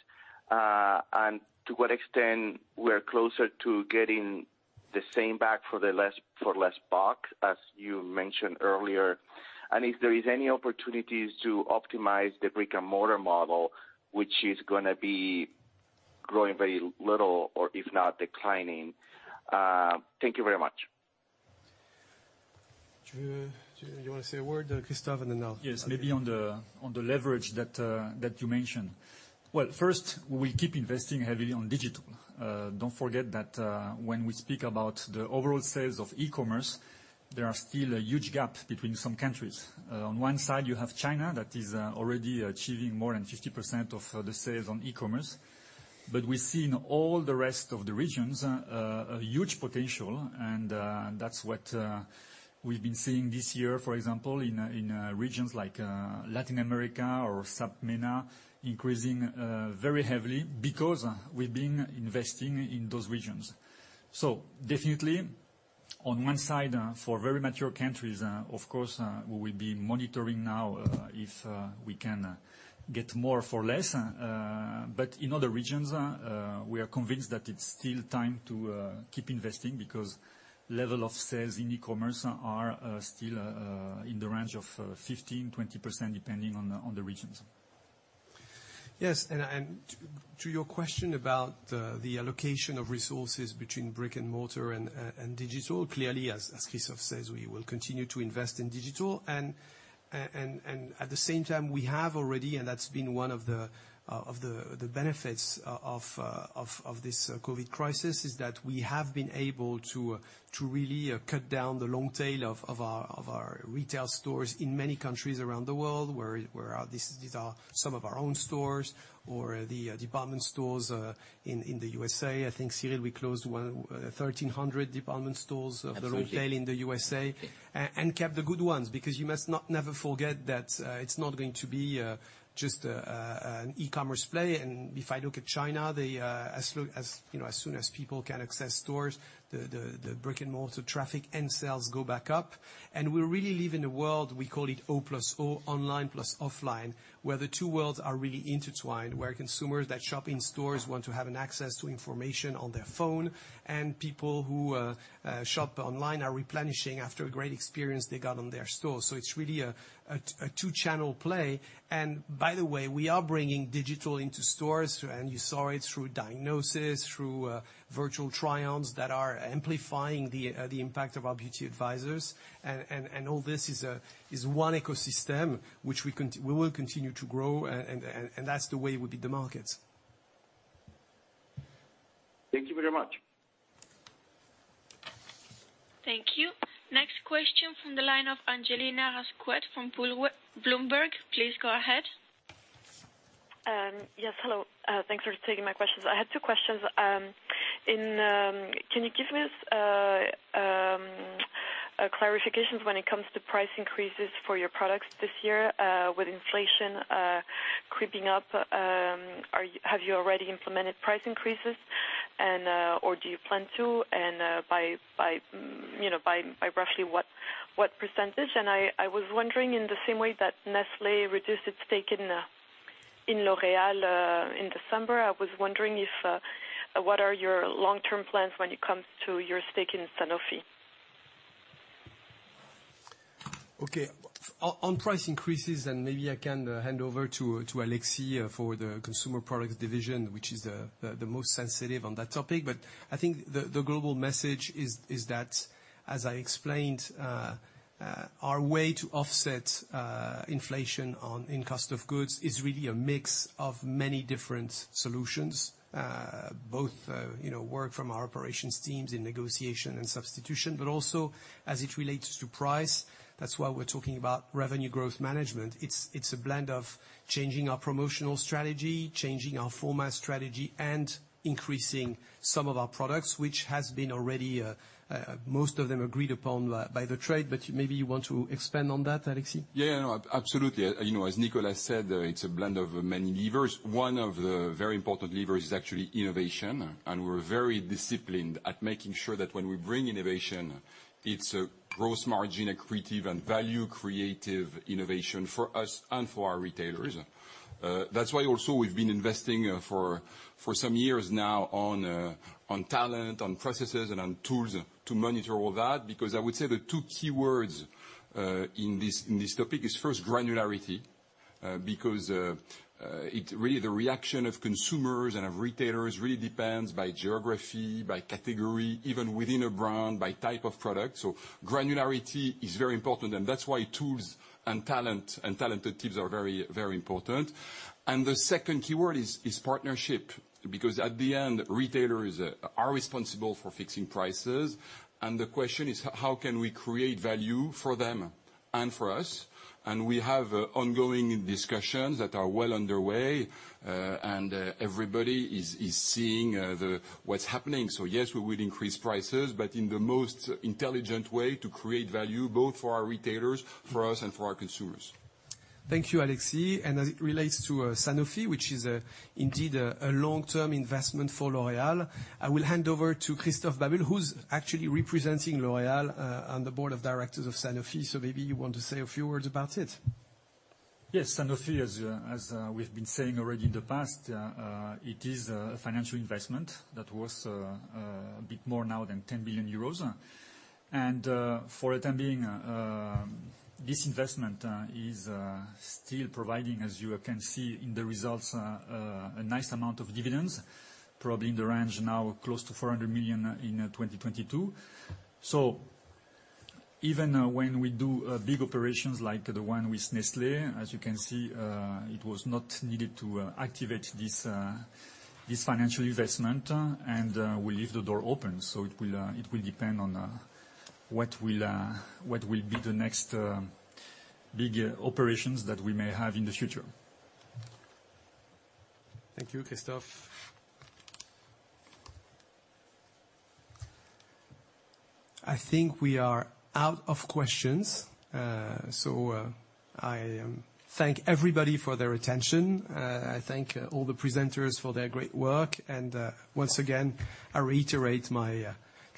and to what extent we're closer to getting the same bang for less buck, as you mentioned earlier. If there is any opportunities to optimize the brick-and-mortar model, which is gonna be growing very little or if not declining. Thank you very much. Do you wanna say a word, Christophe, and then I'll- Yes, maybe on the leverage that you mentioned. Well, first, we keep investing heavily on digital. Don't forget that, when we speak about the overall sales of e-commerce, there are still a huge gap between some countries. On one side you have China that is already achieving more than 50% of the sales on e-commerce. We see in all the rest of the regions a huge potential, and that's what we've been seeing this year, for example, in regions like Latin America or SAPMENA, increasing very heavily because we've been investing in those regions. Definitely on one side, for very mature countries, of course, we will be monitoring now if we can get more for less. In other regions, we are convinced that it's still time to keep investing because level of sales in e-commerce are still in the range of 15%-20%, depending on the regions. Yes, to your question about the allocation of resources between brick-and-mortar and digital, clearly, as Christophe says, we will continue to invest in digital. At the same time, we have already, and that's been one of the benefits of this COVID crisis, is that we have been able to really cut down the long tail of our retail stores in many countries around the world where these are some of our own stores or the department stores in the U.S. I think, Cyril, we closed 1,300 department stores- Absolutely of the long tail in the USA and kept the good ones, because you must not never forget that, it's not going to be just an e-commerce play. If I look at China, they as soon as people can access stores, the brick-and-mortar traffic and sales go back up. We really live in a world, we call it O+O, online plus offline, where the two worlds are really intertwined, where consumers that shop in stores want to have an access to information on their phone, and people who shop online are replenishing after a great experience they got on their store. It's really a two-channel play. By the way, we are bringing digital into stores, and you saw it through diagnosis, through virtual try-ons that are amplifying the impact of our beauty advisors. All this is one ecosystem which we will continue to grow, and that's the way we beat the markets. Thank you very much. Thank you. Next question from the line of Angelina Rascouët from Bloomberg. Please go ahead. Yes, hello. Thanks for taking my questions. I had two questions. Can you give me clarifications when it comes to price increases for your products this year, with inflation creeping up, have you already implemented price increases and or do you plan to? You know, by roughly what percentage? I was wondering in the same way that Nestlé reduced its stake in L'Oréal in December, what are your long-term plans when it comes to your stake in Sanofi? Okay. On price increases, maybe I can hand over to Alexis for the Consumer Products Division, which is the most sensitive on that topic. I think the global message is that, as I explained, our way to offset inflation in cost of goods is really a mix of many different solutions. Both, you know, work from our operations teams in negotiation and substitution, but also as it relates to price. That's why we're talking about revenue growth management. It's a blend of changing our promotional strategy, changing our format strategy, and increasing some of our products, which has been already most of them agreed upon by the trade. Maybe you want to expand on that, Alexis? Yeah. No, absolutely. You know, as Nicolas said, it's a blend of many levers. One of the very important levers is actually innovation, and we're very disciplined at making sure that when we bring innovation, it's a gross margin accretive and value creative innovation for us and for our retailers. That's why also we've been investing for some years now on talent, on processes, and on tools to monitor all that. Because I would say the two keywords in this topic is first granularity, because it really the reaction of consumers and of retailers really depends by geography, by category, even within a brand, by type of product. Granularity is very important, and that's why tools and talent and talented teams are very, very important. The second keyword is partnership, because at the end, retailers are responsible for fixing prices. The question is, how can we create value for them and for us? We have ongoing discussions that are well underway, and everybody is seeing what's happening. Yes, we will increase prices, but in the most intelligent way to create value both for our retailers, for us, and for our consumers. Thank you, Alexis. As it relates to Sanofi, which is indeed a long-term investment for L'Oréal, I will hand over to Christophe Babule, who's actually representing L'Oréal on the board of directors of Sanofi. Maybe you want to say a few words about it. Yes. Sanofi, as we've been saying already in the past, it is a financial investment that was a bit more now than 10 billion euros. For the time being, this investment is still providing, as you can see in the results, a nice amount of dividends, probably in the range now close to 400 million in 2022. Even when we do big operations like the one with Nestlé, as you can see, it was not needed to activate this financial investment, and we leave the door open. It will depend on what will be the next big operations that we may have in the future. Thank you, Christophe. I think we are out of questions, so I thank everybody for their attention. I thank all the presenters for their great work, and once again, I reiterate my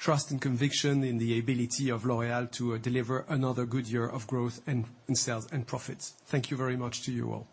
trust and conviction in the ability of L'Oréal to deliver another good year of growth in sales and profits. Thank you very much to you all.